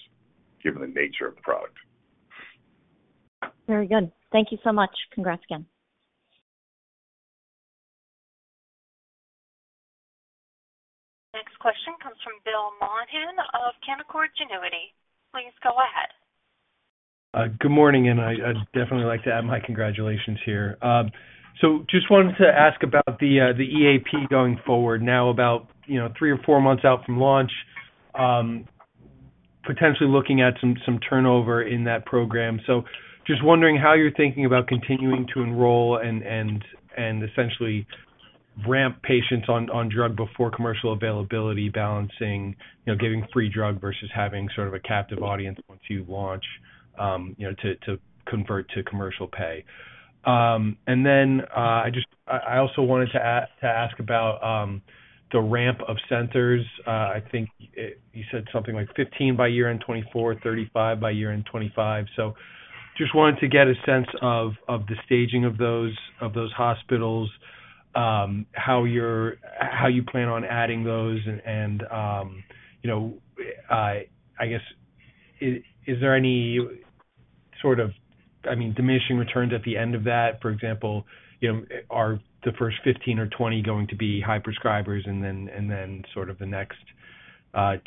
given the nature of the product. Very good. Thank you so much. Congrats again. Next question comes from William Maughan of Canaccord Genuity. Please go ahead. Good morning, I, I'd definitely like to add my congratulations here. Just wanted to ask about the EAP going forward now about, you know, three or four months out from launch, potentially looking at some, some turnover in that program. Just wondering how you're thinking about continuing to enroll and, and, and essentially ramp patients on, on drug before commercial availability, balancing, you know, giving free drug versus having sort of a captive audience once you launch, you know, to, to convert to commercial pay. Then I, I also wanted to ask, to ask about the ramp of centers. I think it, you said something like 15 by year-end 2024, 35 by year-end 2025. Just wanted to get a sense of, of the staging of those, of those hospitals, how you plan on adding those and, and, you know, I guess, is there any sort of, I mean, diminishing returns at the end of that? For example, you know, are the first 15 or 20 going to be high prescribers and then, and then sort of the next,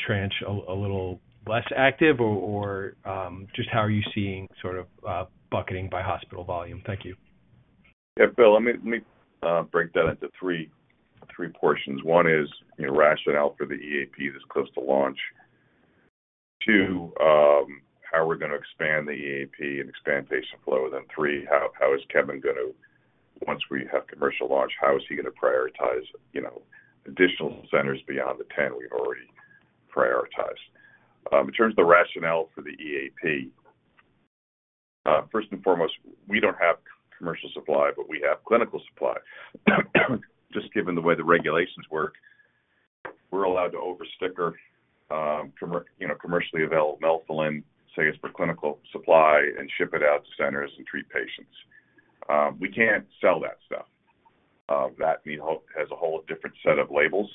tranche, a little less active? Or, just how are you seeing sort of, bucketing by hospital volume? Thank you. Yeah, Bill, let me break that into three portions. One is, you know, rationale for the EAP this close to launch. Two, how we're gonna expand the EAP and expand patient flow. Three, how is Kevin going to, once we have commercial launch, how is he going to prioritize, you know, additional centers beyond the 10 we've already prioritized? In terms of the rationale for the EAP, first and foremost, we don't have commercial supply, but we have clinical supply. Just given the way the regulations work, we're allowed to over sticker, you know, commercially available melphalan, say, it's for clinical supply and ship it out to centers and treat patients. We can't sell that stuff. That has a whole different set of labels,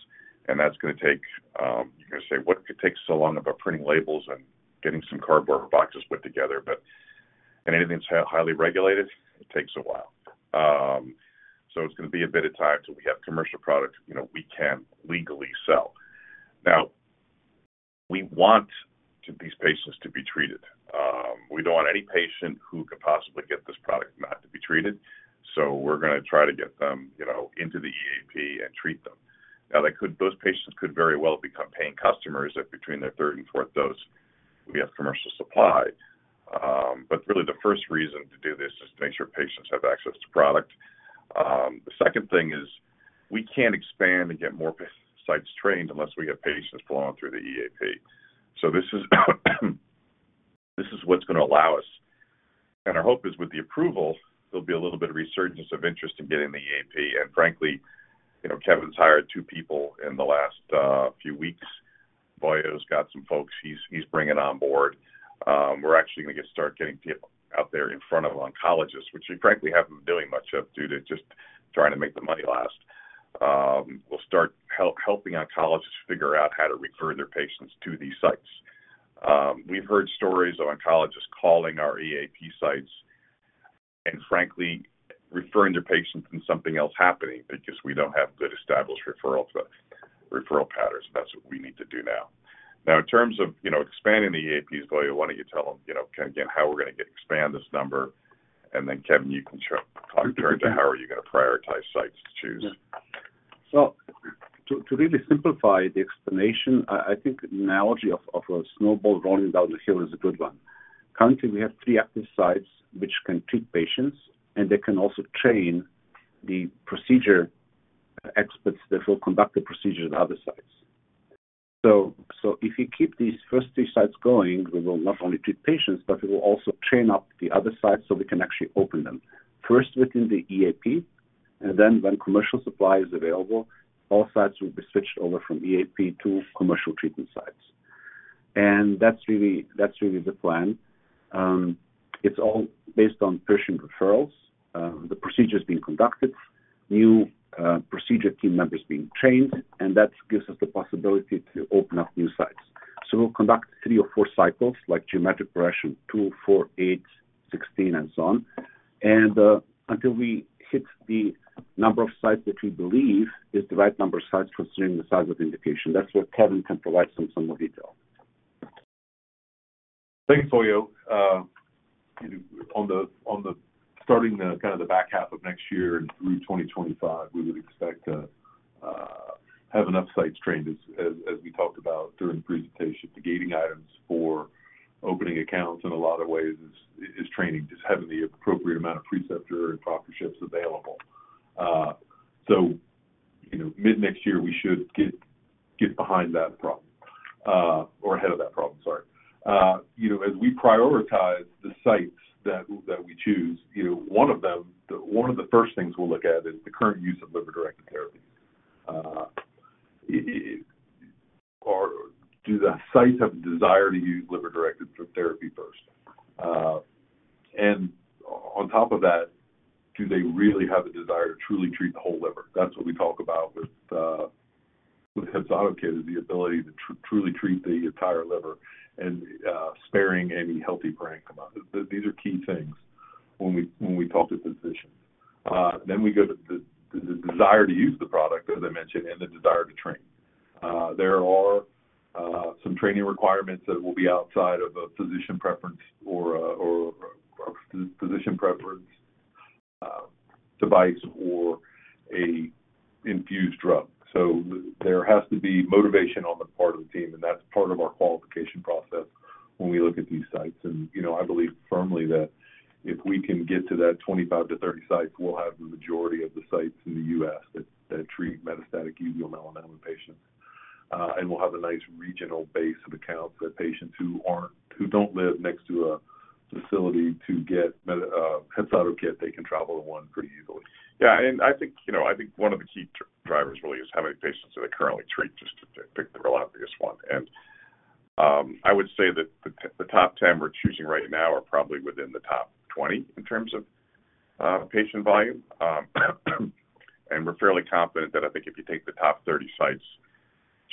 and that's gonna take, you're gonna say, "What could take so long about printing labels and getting some cardboard boxes put together?" Anything that's highly regulated, it takes a while. It's gonna be a bit of time till we have commercial product, you know, we can legally sell. We want these patients to be treated. We don't want any patient who could possibly get this product not to be treated, so we're gonna try to get them, you know, into the EAP and treat them. Those patients could very well become paying customers if between their third and fourth dose, we have commercial supply. Really, the first reason to do this is to make sure patients have access to product. The second thing is we can't expand and get more sites trained unless we have patients flowing through the EAP. This is, this is what's gonna allow us. Our hope is with the approval, there'll be a little bit of resurgence of interest in getting the EAP. Frankly, you know, Kevin's hired two people in the last few weeks. Boy, he's got some folks he's, he's bringing on board. We're actually gonna get start getting people out there in front of oncologists, which we frankly haven't been doing much of due to just trying to make the money last. We'll start helping oncologists figure out how to refer their patients to these sites. We've heard stories of oncologists calling our EAP sites and frankly, referring their patients and something else happening because we don't have good established referral to referral patterns. That's what we need to do now. Now, in terms of, you know, expanding the EAPs, Vojo, why don't you tell them, you know, again, how we're gonna get expand this number. Kevin, you can show. Turn to how are you gonna prioritize sites to choose? Yeah. To really simplify the explanation, I think analogy of a snowball rolling down the hill is a good one. Currently, we have three active sites which can treat patients, and they can also train the procedure experts that will conduct the procedure at the other sites. If you keep these first three sites going, we will not only treat patients, but we will also train up the other sites so we can actually open them, first within the EAP, and then when commercial supply is available, all sites will be switched over from EAP to commercial treatment sites. That's really, that's really the plan. It's all based on patient referrals, the procedures being conducted, new procedure team members being trained, and that gives us the possibility to open up new sites. We'll conduct 3 or 4 cycles, like geometric progression, 2, 4, 8, 16, and so on. Until we hit the number of sites that we believe is the right number of sites considering the size of indication, that's where Kevin can provide some, some more detail. Thanks, Vojo. On the, on the starting the kind of the back half of next year and through 2025, we would expect to have enough sites trained, as, as we talked about during the presentation. The gating items for opening accounts in a lot of ways is, is training, just having the appropriate amount of preceptor and proctorships available. You know, mid-next year, we should get, get behind that problem, or ahead of that problem, sorry. As we prioritize the sites that, that we choose, you know, one of the first things we'll look at is the current use of liver-directed therapy. Do the sites have a desire to use liver-directed therapy first? On top of that, do they really have a desire to truly treat the whole liver? That's what we talk about with With HEPZATO KIT is the ability to truly treat the entire liver and sparing any healthy brain amount. These are key things when we, when we talk to physicians. Then we go to the, the desire to use the product, as I mentioned, and the desire to train. There are some training requirements that will be outside of a physician preference or or a physician preference device or a infused drug. There has to be motivation on the part of the team, and that's part of our qualification process when we look at these sites. You know, I believe firmly that if we can get to that 25-30 sites, we'll have the majority of the sites in the U.S. that, that treat metastatic uveal melanoma patients. We'll have a nice regional base of accounts that patients who aren't-- who don't live next to a facility to get meta, HEPZATO KIT, they can travel to 1 pretty easily. Yeah, I think, you know, I think 1 of the key drivers really is how many patients do they currently treat, just to pick the obvious 1. I would say that the, the top 10 we're choosing right now are probably within the top 20 in terms of patient volume. We're fairly confident that I think if you take the top 30 sites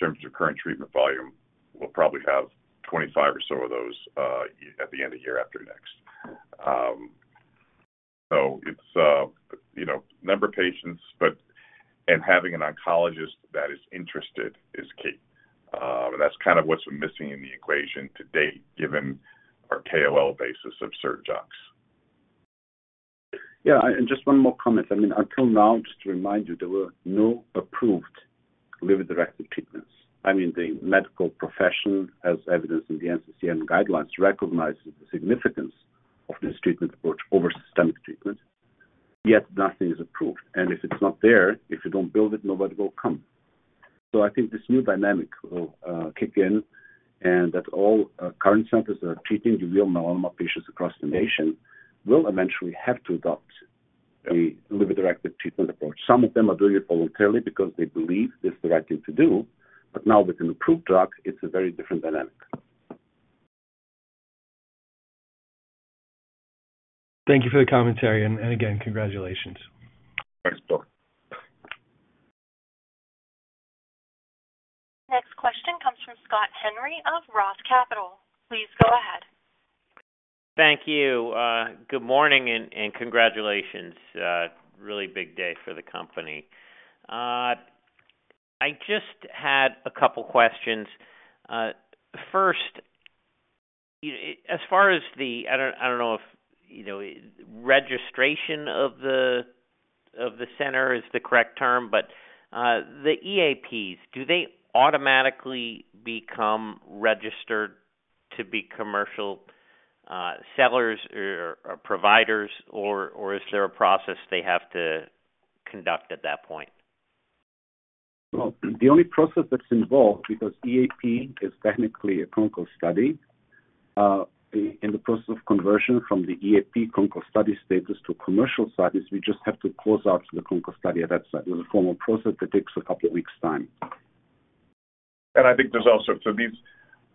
in terms of current treatment volume, we'll probably have 25 or so of those at the end of year after next. It's, you know, number of patients, but having an oncologist that is interested is key. That's kind of what's missing in the equation to date, given our KOL basis of surg oncs. Yeah, just one more comment. I mean, until now, just to remind you, there were no approved liver-directed treatments. I mean, the medical profession, as evidenced in the NCCN guidelines, recognizes the significance of this treatment approach over systemic treatment, yet nothing is approved. If it's not there, if you don't build it, nobody will come. I think this new dynamic will kick in, and that all current centers that are treating uveal melanoma patients across the nation will eventually have to adopt a liver-directed treatment approach. Some of them are doing it voluntarily because they believe it's the right thing to do, but now with an approved drug, it's a very different dynamic. Thank you for the commentary, and, and again, congratulations. Thanks, Doc. Next question comes from Scott Henry of ROTH Capital Partners. Please go ahead. Thank you. good morning, and, and congratulations. really big day for the company. I just had a couple questions. first, you know, as far as the... I don't, I don't know if, you know, registration of the, of the center is the correct term, but, the EAPs, do they automatically become registered to be commercial, sellers or, or providers, or, or is there a process they have to conduct at that point? The only process that's involved, because EAP is technically a clinical study, in the process of conversion from the EAP clinical study status to a commercial status, we just have to close out the clinical study at that site. There's a formal process that takes a couple of weeks' time. I think there's also... These,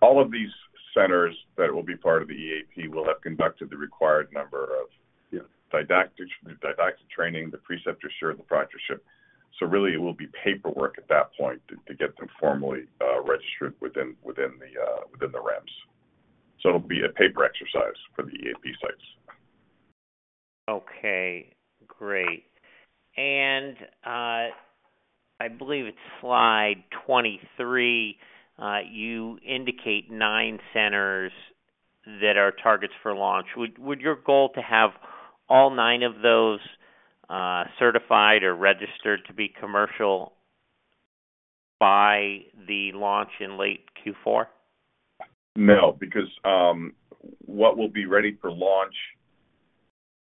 all of these centers that will be part of the EAP will have conducted the required number of- Yeah... didactic, didactic training, the preceptorship, the proctorship. Really, it will be paperwork at that point to, to get them formally registered within, within the within the REMS. It'll be a paper exercise for the EAP sites. Okay, great. I believe it's slide 23, you indicate 9 centers that are targets for launch. Would your goal to have all 9 of those, certified or registered to be commercial by the launch in late Q4? No, because what will be ready for launch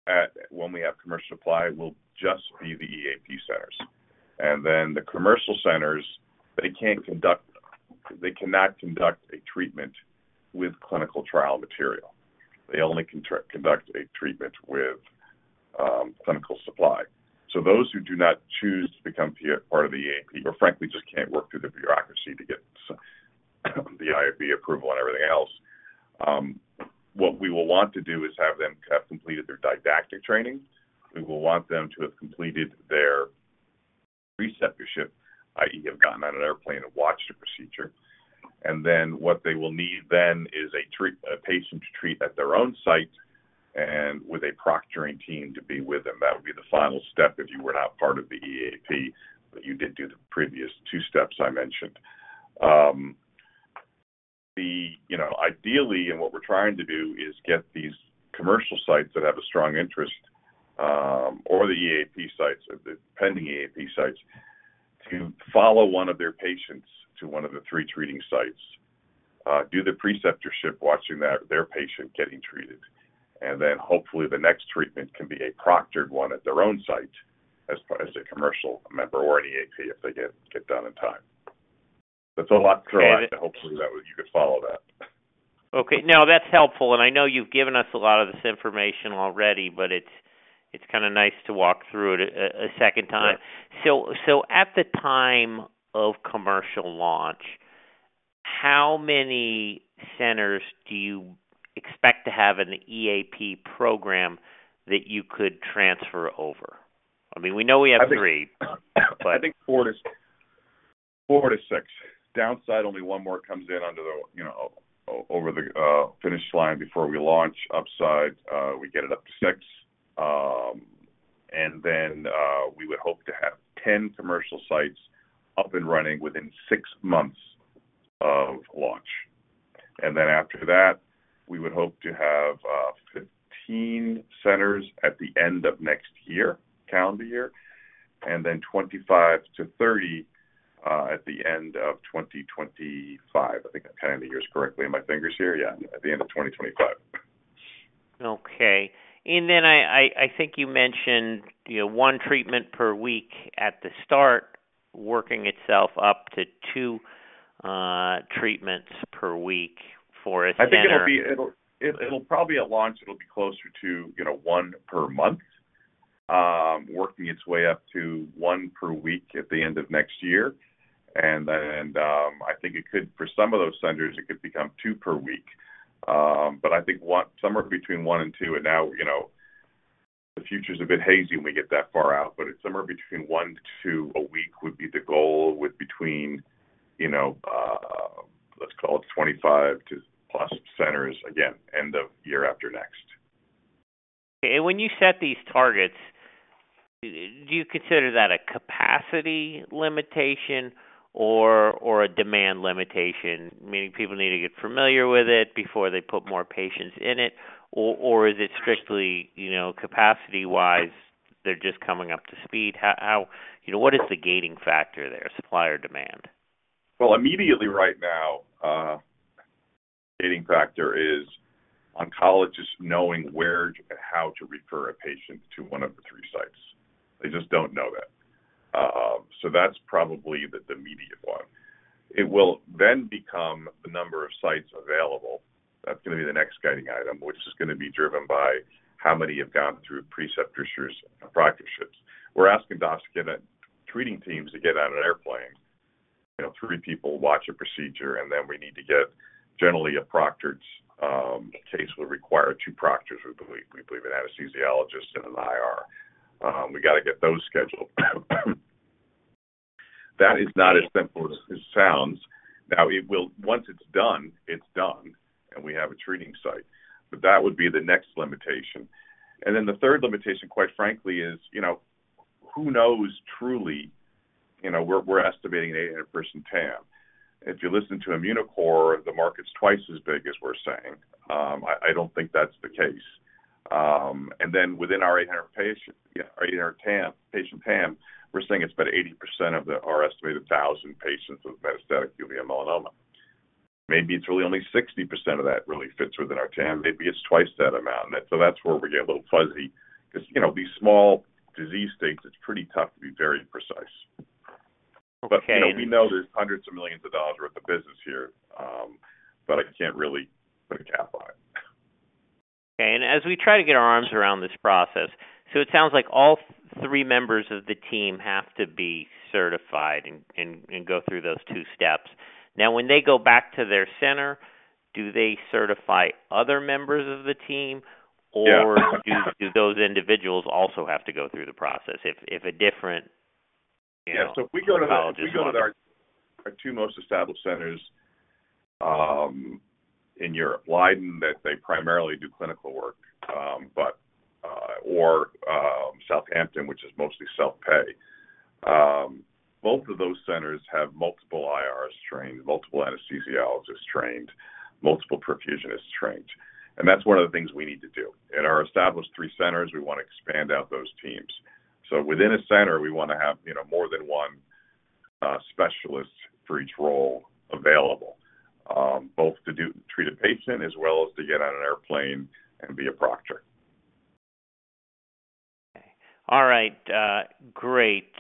at, when we have commercial supply, will just be the EAP centers. The commercial centers, they cannot conduct a treatment with clinical trial material. They only conduct a treatment with clinical supply. Those who do not choose to become part of the EAP or frankly, just can't work through the bureaucracy to get the IRB approval and everything else, what we will want to do is have them have completed their didactic training. We will want them to have completed their preceptorship, i.e., have gotten on an airplane and watched a procedure. What they will need then is a patient to treat at their own site and with a proctoring team to be with them. That would be the final step if you were not part of the EAP, but you did do the previous two steps I mentioned. The, you know, ideally, and what we're trying to do is get these commercial sites that have a strong interest, or the EAP sites, or the pending EAP sites, to follow one of their patients to one of the three treating sites, do the preceptorship, watching that, their patient getting treated, and then hopefully the next treatment can be a proctored one at their own site as, as a commercial member or an EAP, if they get done on time. That's a lot to drive. Hopefully, that would... You could follow that. Okay, now that's helpful. I know you've given us a lot of this information already, but it's, it's kind of nice to walk through it a second time. Yeah. At the time of commercial launch, how many centers do you expect to have an EAP program that you could transfer over? I mean, we know we have 3. I think 4 to 6. Downside, only one more comes in under the, you know, over the finish line before we launch. Upside, we get it up to six. Then, we would hope to have 10 commercial sites up and running within six months of launch. Then after that, we would hope to have 15 centers at the end of next year, calendar year, and then 25-30 at the end of 2025. I think I'm counting the years correctly in my fingers here. Yeah, at the end of 2025. Okay. I, I, I think you mentioned, you know, 1 treatment per week at the start, working itself up to two treatments per week for a center. I think it'll probably at launch, it'll be closer to, you know, one per month, working its way up to one per week at the end of next year. Then, I think it could, for some of those centers, it could become two per week. But I think one, somewhere between one and two, and now, you know, the future is a bit hazy when we get that far out, but it's somewhere between one to two a week would be the goal, with between, you know, let's call it 25 to plus centers again, end of year after next. When you set these targets, do you consider that a capacity limitation or, or a demand limitation? Meaning people need to get familiar with it before they put more patients in it, or, or is it strictly, you know, capacity-wise, they're just coming up to speed. How, you know, what is the gating factor there, supply or demand? Well, immediately right now, gating factor is oncologists knowing where to, how to refer a patient to one of the three sites. They just don't know that. That's probably the, the immediate one. It will then become the number of sites available. That's going to be the next guiding item, which is going to be driven by how many have gone through preceptorships and proctorships. We're asking docs to get treating teams to get on an airplane. You know, three people watch a procedure, and then we need to get generally a proctored case will require two proctors, we believe. We believe an anesthesiologist and an IR. We got to get those scheduled. That is not as simple as it sounds. Now, Once it's done, it's done, and we have a treating site. That would be the next limitation. Then the third limitation, quite frankly, is, you know, who knows truly, you know, we're estimating an 800 person TAM. If you listen to Immunocore, the market's twice as big as we're saying. I, I don't think that's the case. Then within our 800 patient, yeah, our 800 TAM, patient TAM, we're saying it's about 80% of the, our estimated 1,000 patients with metastatic uveal melanoma. Maybe it's really only 60% of that really fits within our TAM. Maybe it's twice that amount. So that's where we get a little fuzzy because, you know, these small disease states, it's pretty tough to be very precise. Okay. You know, we know there's hundreds of millions of dollars worth of business here, but I can't really put a cap on it. Okay. As we try to get our arms around this process, so it sounds like all three members of the team have to be certified and, and, and go through those two steps. Now, when they go back to their center, do they certify other members of the team? Yeah. Do those individuals also have to go through the process if a different, you know... Yeah, if we go to our- Oncologist If we go to our, our two most established centers, in Europe, Leiden, that they primarily do clinical work, but, or Southampton, which is mostly self-pay. Both of those centers have multiple IRs trained, multiple anesthesiologists trained, multiple perfusionists trained. That's one of the things we need to do. In our established three centers, we want to expand out those teams. Within a center, we wanna have, you know, more than one specialist for each role available, both to treat a patient as well as to get on an airplane and be a proctor. All right, great.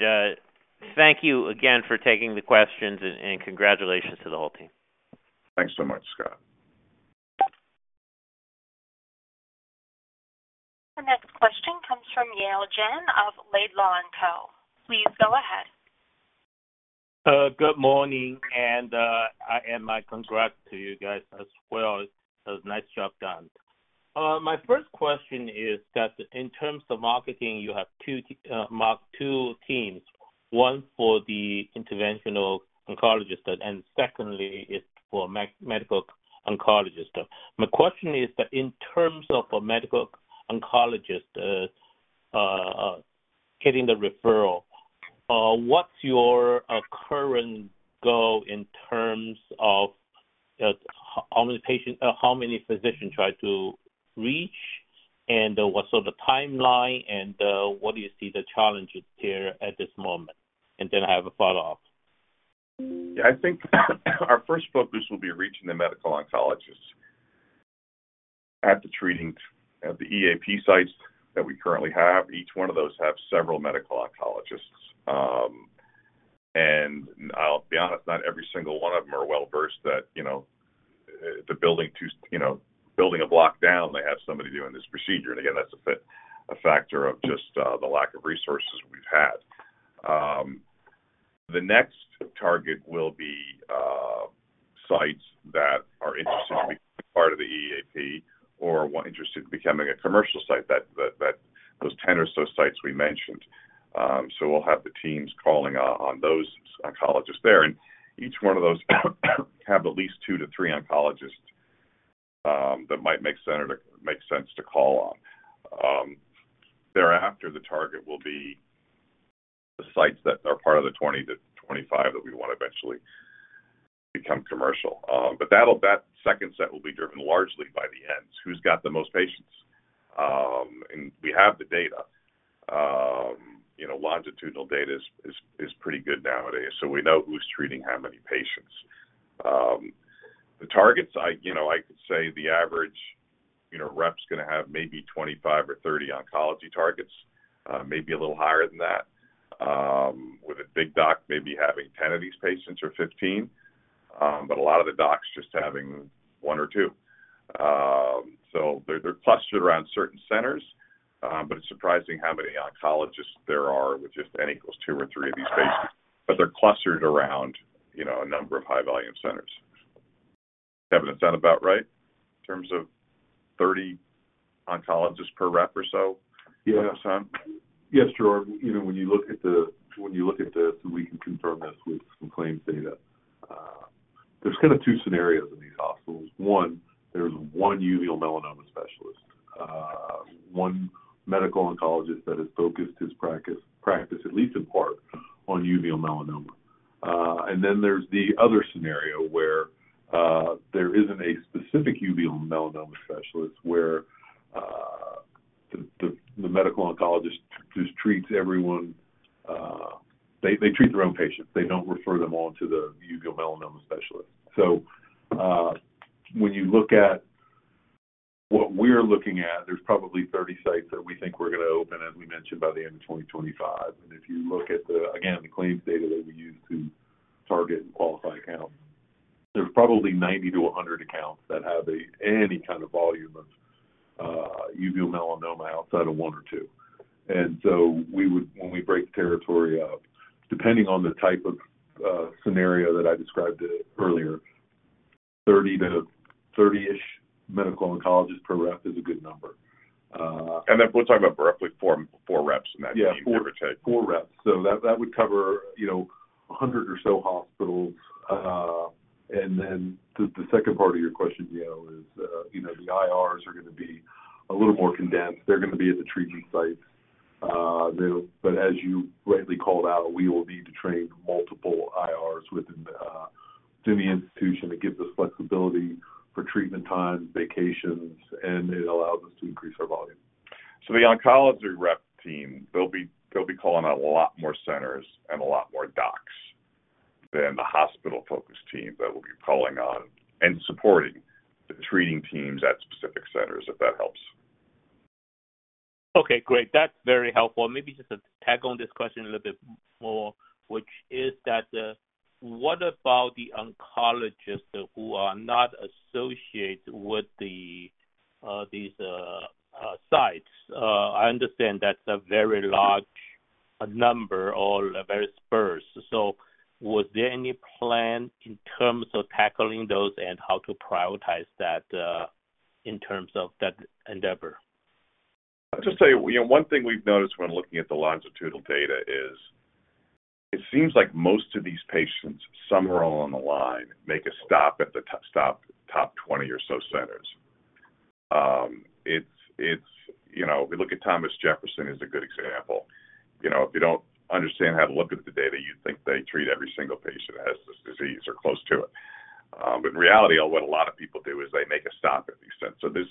Thank you again for taking the questions, and congratulations to the whole team. Thanks so much, Scott. The next question comes from Yale Jen of Laidlaw & Co. Please go ahead. Good morning, I add my congrats to you guys as well. Nice job done. My first question is that in terms of marketing, you have 2 teams, 1 for the interventional oncologist, and secondly, is for medical oncologist. My question is that in terms of a medical oncologist, getting the referral, what's your current goal in terms of how many patients, how many physicians try to reach? What's the timeline, what do you see the challenges there at this moment? Then I have a follow-up. Yeah, I think, our first focus will be reaching the medical oncologist at the treating, at the EAP sites that we currently have. Each one of those have several medical oncologists. I'll be honest, not every single one of them are well-versed that, you know, to building two, you know, building a block down, they have somebody doing this procedure. Again, that's a factor of just the lack of resources we've had. The next target will be sites that are interested to be part of the EAP or interested in becoming a commercial site that those 10 or so sites we mentioned. We'll have the teams calling on those oncologists there, and each one of those have at least two to three oncologists that might make sense to call on. Thereafter, the target will be the sites that are part of the 20-25 that we want to eventually become commercial. That second set will be driven largely by the ends. Who's got the most patients? We have the data. You know, longitudinal data is, is, is pretty good nowadays, so we know who's treating how many patients. The targets, I, you know, I could say the average, you know, rep's gonna have maybe 25 or 30 oncology targets, maybe a little higher than that, with a big doc maybe having 10 of these patients or 15, a lot of the docs just having 1 or 2. They're, they're clustered around certain centers, it's surprising how many oncologists there are with just n equals 2 or 3 of these patients. They're clustered around, you know, a number of high-volume centers. Kevin, does that sound about right in terms of 30 oncologists per rep or so? Yeah. Um... Yes, Gerard, you know, when you look at the, when you look at the. We can confirm this with some claims data. There's kind of 2 scenarios in these hospitals. 1, there's 1 uveal melanoma specialist, 1 medical oncologist that has focused his practice, at least in part, on uveal melanoma. There's the other scenario where there isn't a specific uveal melanoma specialist, where the medical oncologist just treats everyone. They treat their own patients. They don't refer them on to the uveal melanoma specialist. When you look at what we're looking at, there's probably 30 sites that we think we're gonna open, as we mentioned, by the end of 2025. If you look at the, again, the claims data that we use to target and qualify accounts, there's probably 90 to 100 accounts that have a, any kind of volume of uveal melanoma outside of 1 or 2. We would-- when we break the territory up, depending on the type of scenario that I described earlier, 30 to 30-ish medical oncologist per rep is a good number. Then we're talking about roughly 4 reps in that type. 4 reps. That, that would cover, you know, 100 or so hospitals. The second part of your question, you know, is, you know, the IRs are gonna be a little more condensed. They're gonna be at the treatment sites, as you rightly called out, we will need to train multiple IRs within the, within the institution. It gives us flexibility for treatment times, vacations, and it allows us to increase our volume. The oncology rep team, they'll be, they'll be calling on a lot more centers and a lot more docs than the hospital-focused team that will be calling on and supporting the treating teams at specific centers, if that helps. Okay, great. That's very helpful. Maybe just to tag on this question a little bit more, which is that, what about the oncologists who are not associated with the, these, sites? I understand that's a very large number or very sparse. Was there any plan in terms of tackling those and how to prioritize that, in terms of that endeavor? I'll just say, you know, one thing we've noticed when looking at the longitudinal data is it seems like most of these patients, somewhere along the line, make a stop at the top, top 20 or so centers. It's, it's, you know, if you look at Thomas Jefferson University is a good example. You know, if you don't understand how to look at the data, you'd think they treat every single patient that has this disease or close to it. But in reality, what a lot of people do is they make a stop at these centers. So these,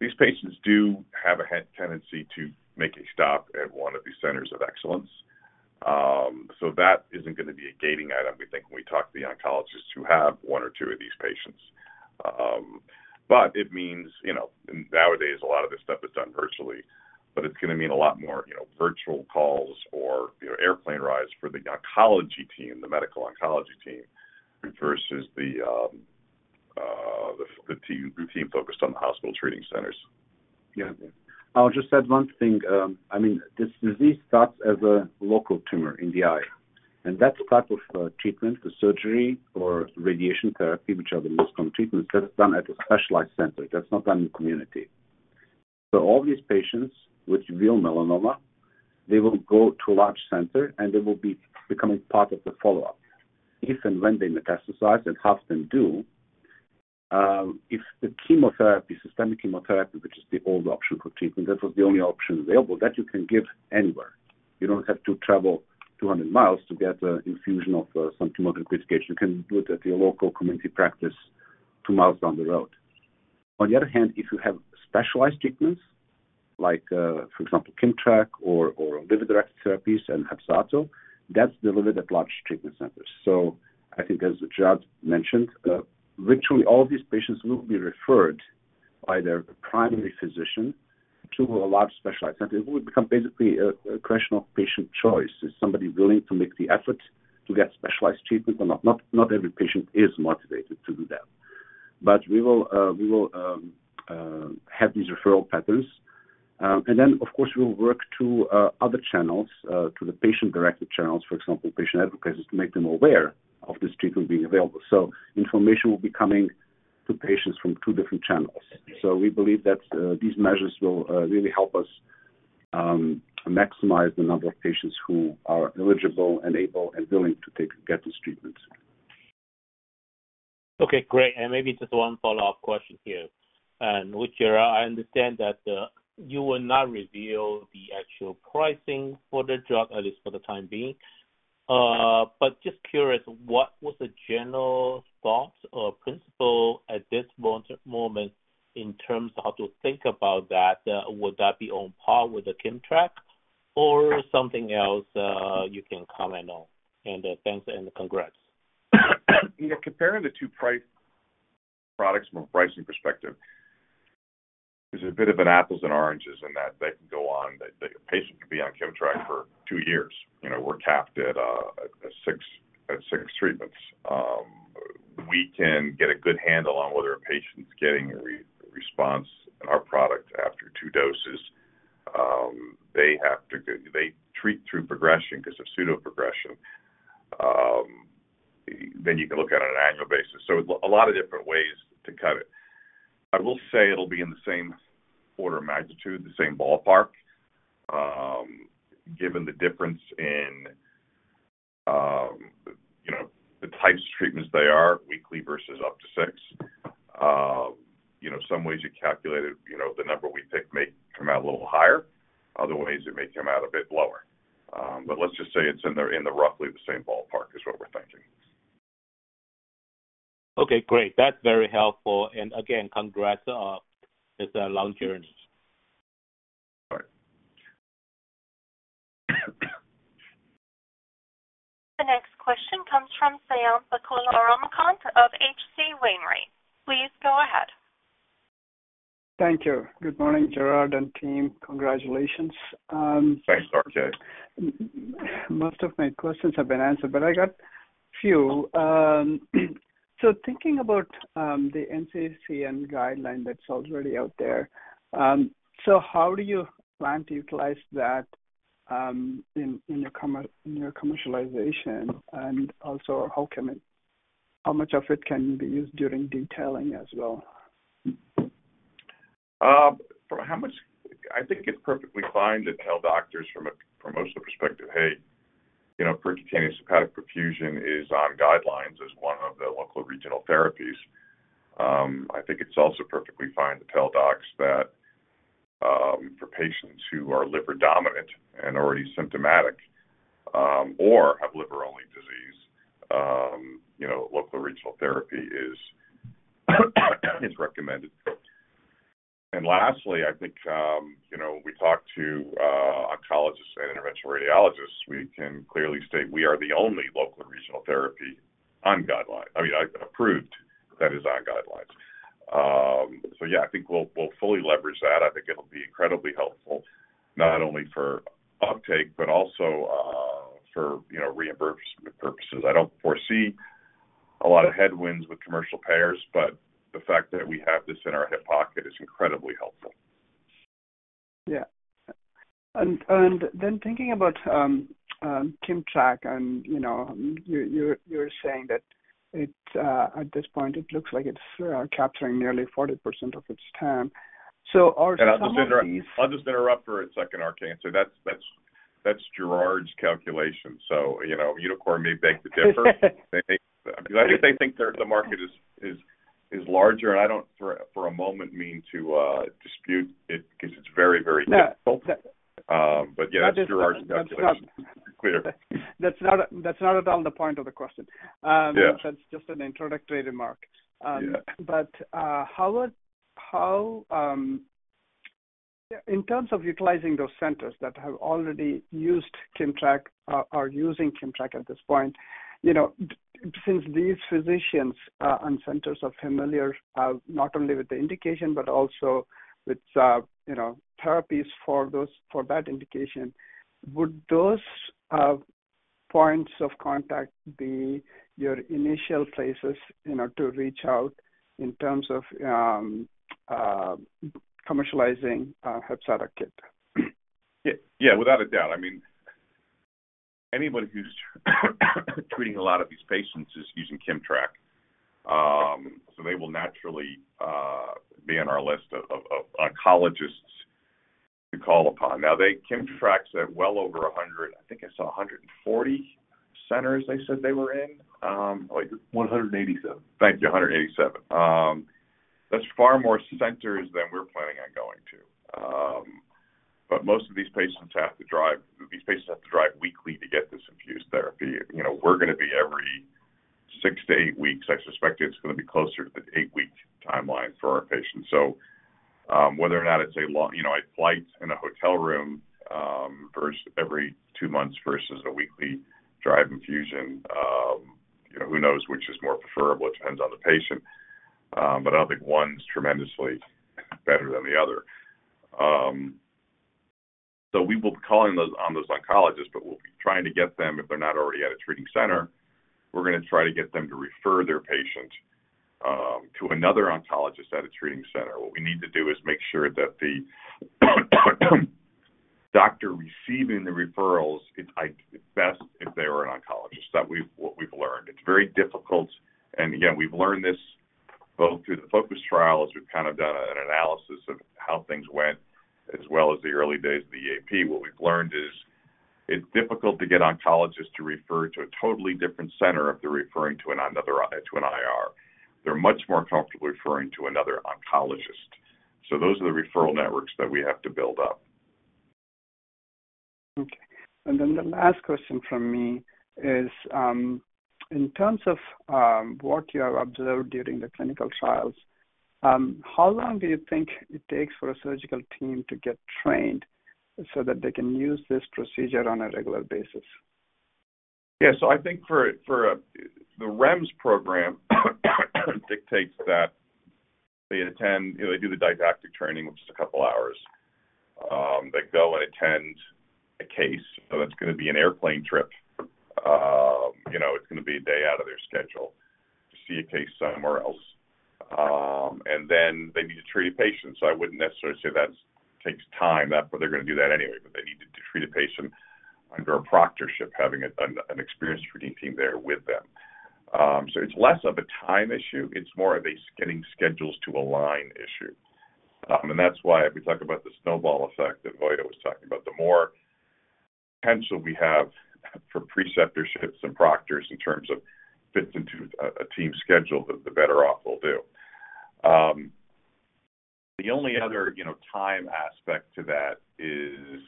these patients do have a head tendency to make a stop at 1 of these centers of excellence. So that isn't gonna be a gating item, we think, when we talk to the oncologists who have 1 or 2 of these patients. It means, you know, and nowadays, a lot of this stuff is done virtually, but it's gonna mean a lot more, you know, virtual calls or, you know, airplane rides for the oncology team, the medical oncology team, versus the, the team, the team focused on the hospital treating centers. Yeah. I'll just add one thing. I mean, this disease starts as a local tumor in the eye, and that type of treatment, the surgery or radiation therapy, which are the most common treatments, that's done at a specialized center. That's not done in the community. All these patients with uveal melanoma, they will go to a large center, and they will be becoming part of the follow-up. If and when they metastasize, and half of them do, if the chemotherapy, systemic chemotherapy, which is the old option for treatment, that was the only option available, that you can give anywhere. You don't have to travel 200 miles to get an infusion of some chemotherapy medication. You can do it at your local community practice two miles down the road. On the other hand, if you have specialized treatments, like, for example, KIMMTRAK or, or liver-directed therapies and HEPZATO, that's delivered at large treatment centers. I think as Gerard mentioned, virtually all of these patients will be referred either a primary physician to a large specialized center. It would become basically a, a question of patient choice. Is somebody willing to make the effort to get specialized treatment or not? Not, not every patient is motivated to do that. We will, we will have these referral patterns, and then, of course, we'll work through other channels, to the patient-directed channels, for example, patient advocates, to make them aware of this treatment being available. Information will be coming to patients from two different channels. We believe that, these measures will, really help us, maximize the number of patients who are eligible and able and willing to take, get this treatment. Okay, great. Maybe just one follow-up question here. Which I understand that, you will not reveal the actual pricing for the drug, at least for the time being. But just curious, what was the general thought or principle at this moment in terms of how to think about that? Would that be on par with the KIMMTRAK or something else, you can comment on? Thanks and congrats. Yeah, comparing the 2 price products from a pricing perspective is a bit of an apples and oranges. That they can go on. The patient could be on KIMMTRAK for two years. You know, we're capped at 6 treatments. We can get a good handle on whether a patient's getting a response on our product after 2 doses. They have to treat through progression 'cause of pseudoprogression. Then you can look at it on an annual basis. A lot of different ways to cut it. I will say it'll be in the same order of magnitude, the same ballpark, given the difference in, you know, the types of treatments they are, weekly versus up to 6. You know, some ways you calculate it, you know, the number we pick may come out a little higher. Other ways, it may come out a bit lower. Let's just say it's in the, in the roughly the same ballpark is what we're thinking. Okay, great. That's very helpful. Again, congrats, it's a long journey. All right. The next question comes from Swayampakula Ramakanth of H.C. Wainwright. Please go ahead. Thank you. Good morning, Gerard and team. Congratulations. Thanks. Most of my questions have been answered, but I got few. Thinking about the NCCN guideline that's already out there, how do you plan to utilize that in your commercialization? Also, how much of it can be used during detailing as well? From how much... I think it's perfectly fine to tell doctors from a promotional perspective, "Hey, you know, Percutaneous Hepatic Perfusion is on guidelines as one of the locoregional therapies." I think it's also perfectly fine to tell docs that, for patients who are liver-dominant and already symptomatic, or have liver-only disease, you know, locoregional therapy is, is recommended. Lastly, I think, you know, we talked to oncologists and Interventional Radiologists. We can clearly state we are the only locoregional therapy on guidelines. I mean, approved, that is, on guidelines. Yeah, I think we'll, we'll fully leverage that. I think it'll be incredibly helpful, not only for uptake but also, for, you know, reimbursement purposes. I don't foresee a lot of headwinds with commercial payers, but the fact that we have this in our hip pocket is incredibly helpful. Yeah. Then thinking about, KIMMTRAK, and, you know, you're, you're saying that it, at this point, it looks like it's, capturing nearly 40% of its time. Are some of these- I'll just interrupt for a second, Swayampakula Ramakanth. That's Gerard's calculation. You know, Immunocore may beg to differ. They think, I think they think the market is larger. I don't for a moment mean to dispute it because it's very helpful. Yeah. Yeah, that's Gerard's calculation. That's not, that's not around the point of the question. Yeah. That's just an introductory remark. Yeah. How would, how... In terms of utilizing those centers that have already used KIMMTRAK, are, are using KIMMTRAK at this point, you know, since these physicians and centers are familiar, not only with the indication but also with, you know, therapies for those, for that indication, would those points of contact be your initial places, you know, to reach out in terms of commercializing HEPZATO KIT? Yeah, yeah, without a doubt. I mean, anybody who's treating a lot of these patients is using KIMMTRAK. They will naturally be on our list of, of, of oncologists to call upon. Now, they, KIMMTRAK's at well over 100, I think I saw 140 centers they said they were in, like. 187. Thank you, 187. That's far more centers than we're planning on going to. Most of these patients have to drive, these patients have to drive weekly to get this infused therapy. You know, we're gonna be every six to eight weeks. I suspect it's gonna be closer to the eight week timeline for our patients. Whether or not it's a long, you know, a flight and a hotel room, first every two months versus a weekly drive infusion. You know, who knows which is more preferable? It depends on the patient. I don't think one's tremendously better than the other. We will be calling those on those oncologists, but we'll be trying to get them if they're not already at a treating center, we're going to try to get them to refer their patient to another oncologist at a treating center. What we need to do is make sure that the doctor receiving the referrals, it's, I, it's best if they are an oncologist. What we've learned. It's very difficult, and again, we've learned this both through the FOCUS trial, as we've kind of done an analysis of how things went, as well as the early days of the EAP. What we've learned is it's difficult to get oncologists to refer to a totally different center if they're referring to another, to an IR. They're much more comfortable referring to another oncologist. Those are the referral networks that we have to build up. Okay. The last question from me is, in terms of, what you have observed during the clinical trials, how long do you think it takes for a surgical team to get trained so that they can use this procedure on a regular basis? Yeah, so I think for the REMS program dictates that they attend, you know, they do the didactic training, which is a couple of hours. They go and attend a case, so that's going to be an airplane trip. You know, it's going to be a day out of their schedule to see a case somewhere else. Then they need to treat a patient. I wouldn't necessarily say that takes time. That's where they're going to do that anyway, but they need to treat a patient under a proctorship, having an experienced treating team there with them. It's less of a time issue, it's more of a getting schedules to align issue. That's why if we talk about the snowball effect that Voya was talking about, the more potential we have for preceptorships and proctors in terms of fits into a, a team schedule, the, the better off we'll do. The only other, you know, time aspect to that is,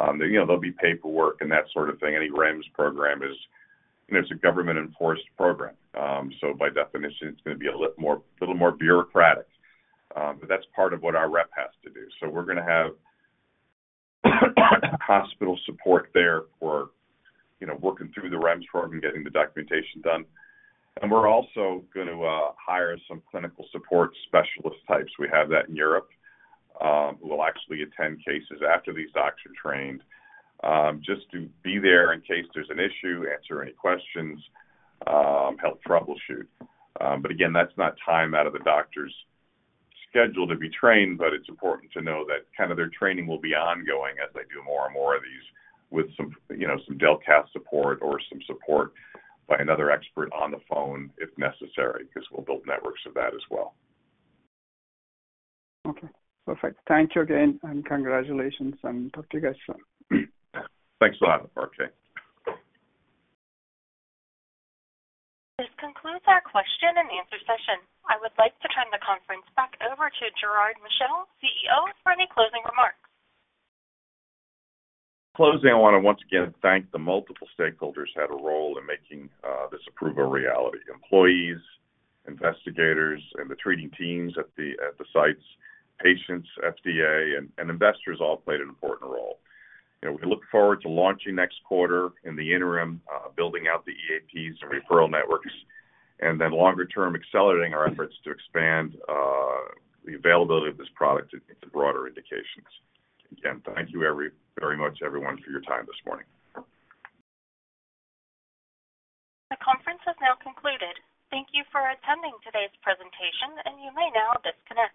you know, there'll be paperwork and that sort of thing. Any REMS program is, you know, it's a government-enforced program. By definition, it's going to be a little more, little more bureaucratic, but that's part of what our rep has to do. We're going to have hospital support there for, you know, working through the REMS program and getting the documentation done. We're also going to hire some clinical support specialist types. We have that in Europe, who will actually attend cases after these docs are trained, just to be there in case there's an issue, answer any questions, help troubleshoot. Again, that's not time out of the doctor's schedule to be trained, but it's important to know that kind of their training will be ongoing as they do more and more of these with some, you know, some Delcath support or some support by another expert on the phone if necessary, because we'll build networks of that as well. Okay, perfect. Thank you again, and congratulations, and talk to you guys soon. Thanks a lot, Mark. This concludes our question and answer session. I would like to turn the conference back over to Gerard Michel, CEO, for any closing remarks. Closing, I want to once again thank the multiple stakeholders who had a role in making this approval a reality. Employees, investigators, and the treating teams at the, at the sites, patients, FDA, and, and investors all played an important role. You know, we look forward to launching next quarter in the interim, building out the EAPs and referral networks, and then longer term, accelerating our efforts to expand the availability of this product to broader indications. Again, thank you very much, everyone, for your time this morning. The conference has now concluded. Thank you for attending today's presentation. You may now disconnect.